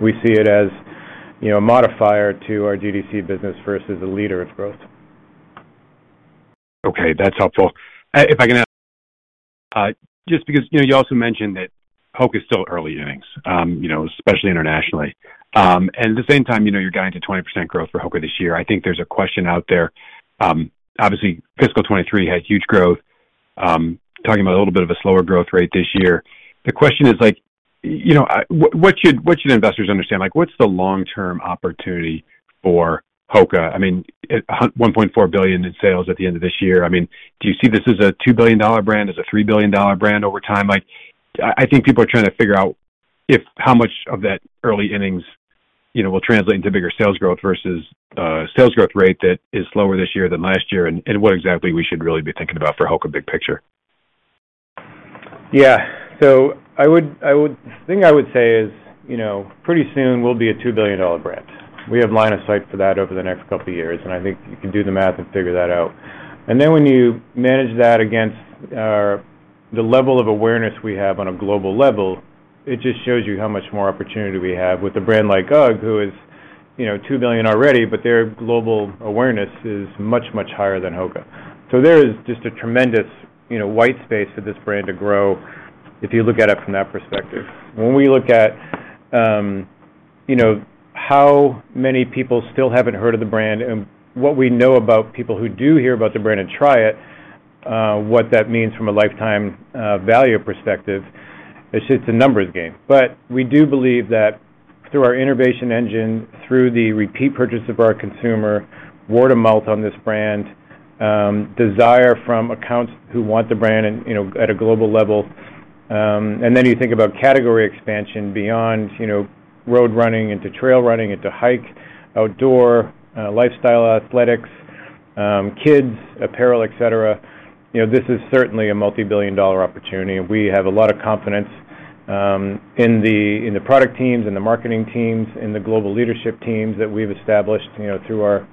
S3: we see it as, you know, a modifier to our DTC business versus a leader of growth.
S10: Okay, that's helpful. If I can ask. Just because, you know, you also mentioned that HOKA is still early innings, you know, especially internationally. At the same time, you know, you're guiding to 20% growth for HOKA this year. I think there's a question out there. Obviously, fiscal 2023 had huge growth. talking about a little bit of a slower growth rate this year. The question is, like, you know, what should investors understand? Like, what's the long-term opportunity for HOKA? I mean, $1.4 billion in sales at the end of this year. I mean, do you see this as a $2 billion brand, as a $3 billion brand over time? Like, I think people are trying to figure out if how much of that early innings, you know, will translate into bigger sales growth versus sales growth rate that is slower this year than last year, and what exactly we should really be thinking about for HOKA, big picture.
S3: Yeah. The thing I would say is, you know, pretty soon we'll be a $2 billion brand. We have line of sight for that over the next couple of years, and I think you can do the math and figure that out. When you manage that against the level of awareness we have on a global level, it just shows you how much more opportunity we have with a brand like UGG, who is, you know, $2 billion already, but their global awareness is much, much higher than HOKA. There is just a tremendous, you know, white space for this brand to grow if you look at it from that perspective. When we look at, you know, how many people still haven't heard of the brand and what we know about people who do hear about the brand and try it, what that means from a lifetime, value perspective, it's just a numbers game. We do believe that through our innovation engine, through the repeat purchase of our consumer, word of mouth on this brand, desire from accounts who want the brand and, you know, at a global level. You think about category expansion beyond, you know, road running into trail running, into hike, outdoor, lifestyle, athletics, kids apparel, et cetera. You know, this is certainly a multi-billion dollar opportunity, and we have a lot of confidence in the, in the product teams, in the marketing teams, in the global leadership teams that we've established, you know, through our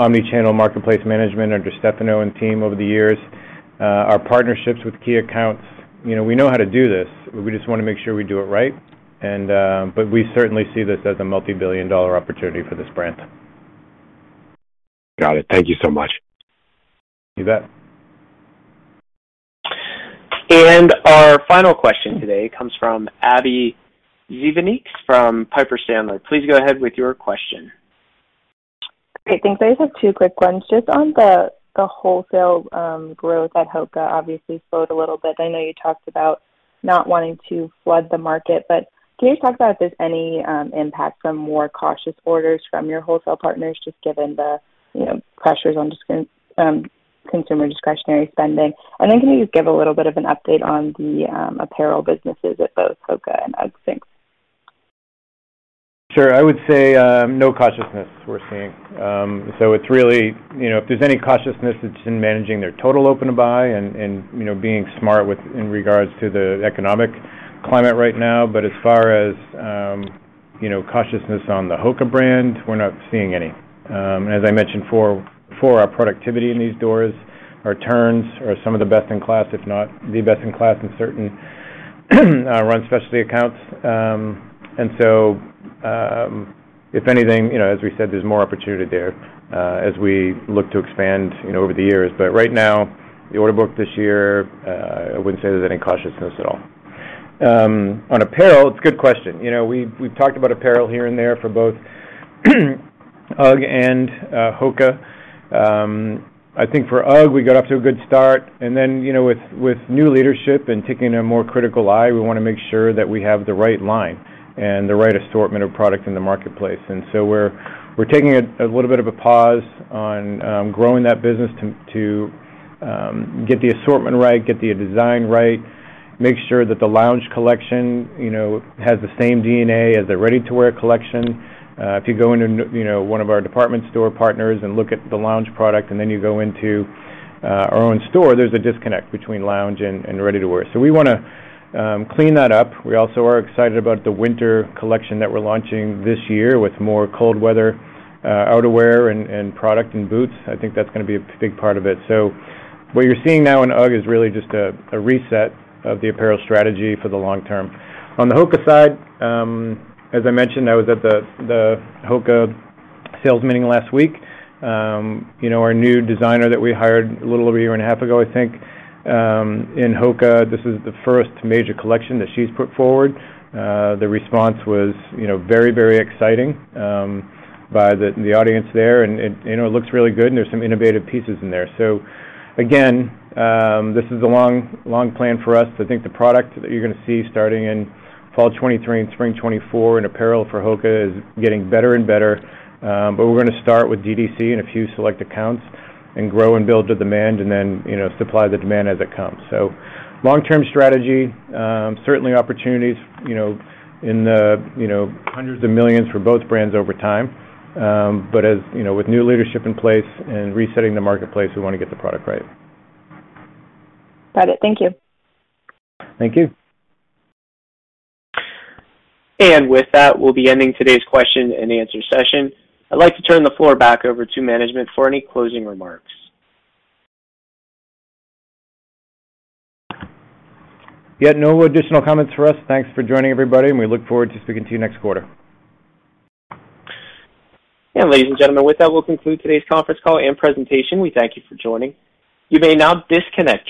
S3: omni-channel marketplace management under Stefano and team over the years, our partnerships with key accounts. You know, we know how to do this. We just wanna make sure we do it right and, but we certainly see this as a multi-billion dollar opportunity for this brand.
S10: Got it. Thank you so much.
S3: You bet.
S1: Our final question today comes from Abbie Zvejnieks from Piper Sandler. Please go ahead with your question.
S11: Great, thanks. I just have two quick ones. Just on the wholesale growth at HOKA, obviously slowed a little bit. I know you talked about not wanting to flood the market, but can you talk about if there's any impact from more cautious orders from your wholesale partners, just given the, you know, pressures on consumer discretionary spending? Can you just give a little bit of an update on the apparel businesses at both HOKA and UGG? Thanks.
S3: Sure. I would say, no cautiousness we're seeing. You know, if there's any cautiousness, it's in managing their total open-to-buy and, you know, being smart with in regards to the economic climate right now. As far as, you know, cautiousness on the HOKA brand, we're not seeing any. As I mentioned before, our productivity in these doors, our turns are some of the best-in-class, if not the best-in-class, in certain run specialty accounts. If anything, you know, as we said, there's more opportunity there, as we look to expand, you know, over the years. Right now, the order book this year, I wouldn't say there's any cautiousness at all. On apparel, it's a good question. You know, we've talked about apparel here and there for both UGG and HOKA. I think for UGG, we got off to a good start and then, you know, with new leadership and taking a more critical eye, we wanna make sure that we have the right line and the right assortment of product in the marketplace. we're taking a little bit of a pause on growing that business to get the assortment right, get the design right, make sure that the lounge collection, you know, has the same DNA as the ready-to-wear collection. If you go into, you know, one of our department store partners and look at the lounge product, and then you go into our own store, there's a disconnect between lounge and ready-to-wear. we wanna clean that up. We also are excited about the winter collection that we're launching this year with more cold weather, outerwear and product and boots. I think that's gonna be a big part of it. What you're seeing now in UGG is really just a reset of the apparel strategy for the long term. On the HOKA side, as I mentioned, I was at the HOKA sales meeting last week. You know, our new designer that we hired a little over a year and a half ago, I think, in HOKA, this is the first major collection that she's put forward. The response was, you know, very, very exciting, by the audience there, and it, you know, it looks really good, and there's some innovative pieces in there. Again, this is a long, long plan for us. I think the product that you're gonna see starting in fall 2023 and spring 2024 in apparel for HOKA is getting better and better. We're gonna start with DTC and a few select accounts and grow and build the demand, and then, you know, supply the demand as it comes. Long-term strategy, certainly opportunities, you know, in the, you know, hundreds of millions for both brands over time. As you know, with new leadership in place and resetting the marketplace, we wanna get the product right.
S11: Got it. Thank you.
S3: Thank you.
S1: With that, we'll be ending today's question and answer session. I'd like to turn the floor back over to management for any closing remarks.
S3: Yeah, no additional comments for us. Thanks for joining, everybody, and we look forward to speaking to you next quarter.
S1: Ladies and gentlemen, with that, we'll conclude today's conference call and presentation. We thank you for joining. You may now disconnect.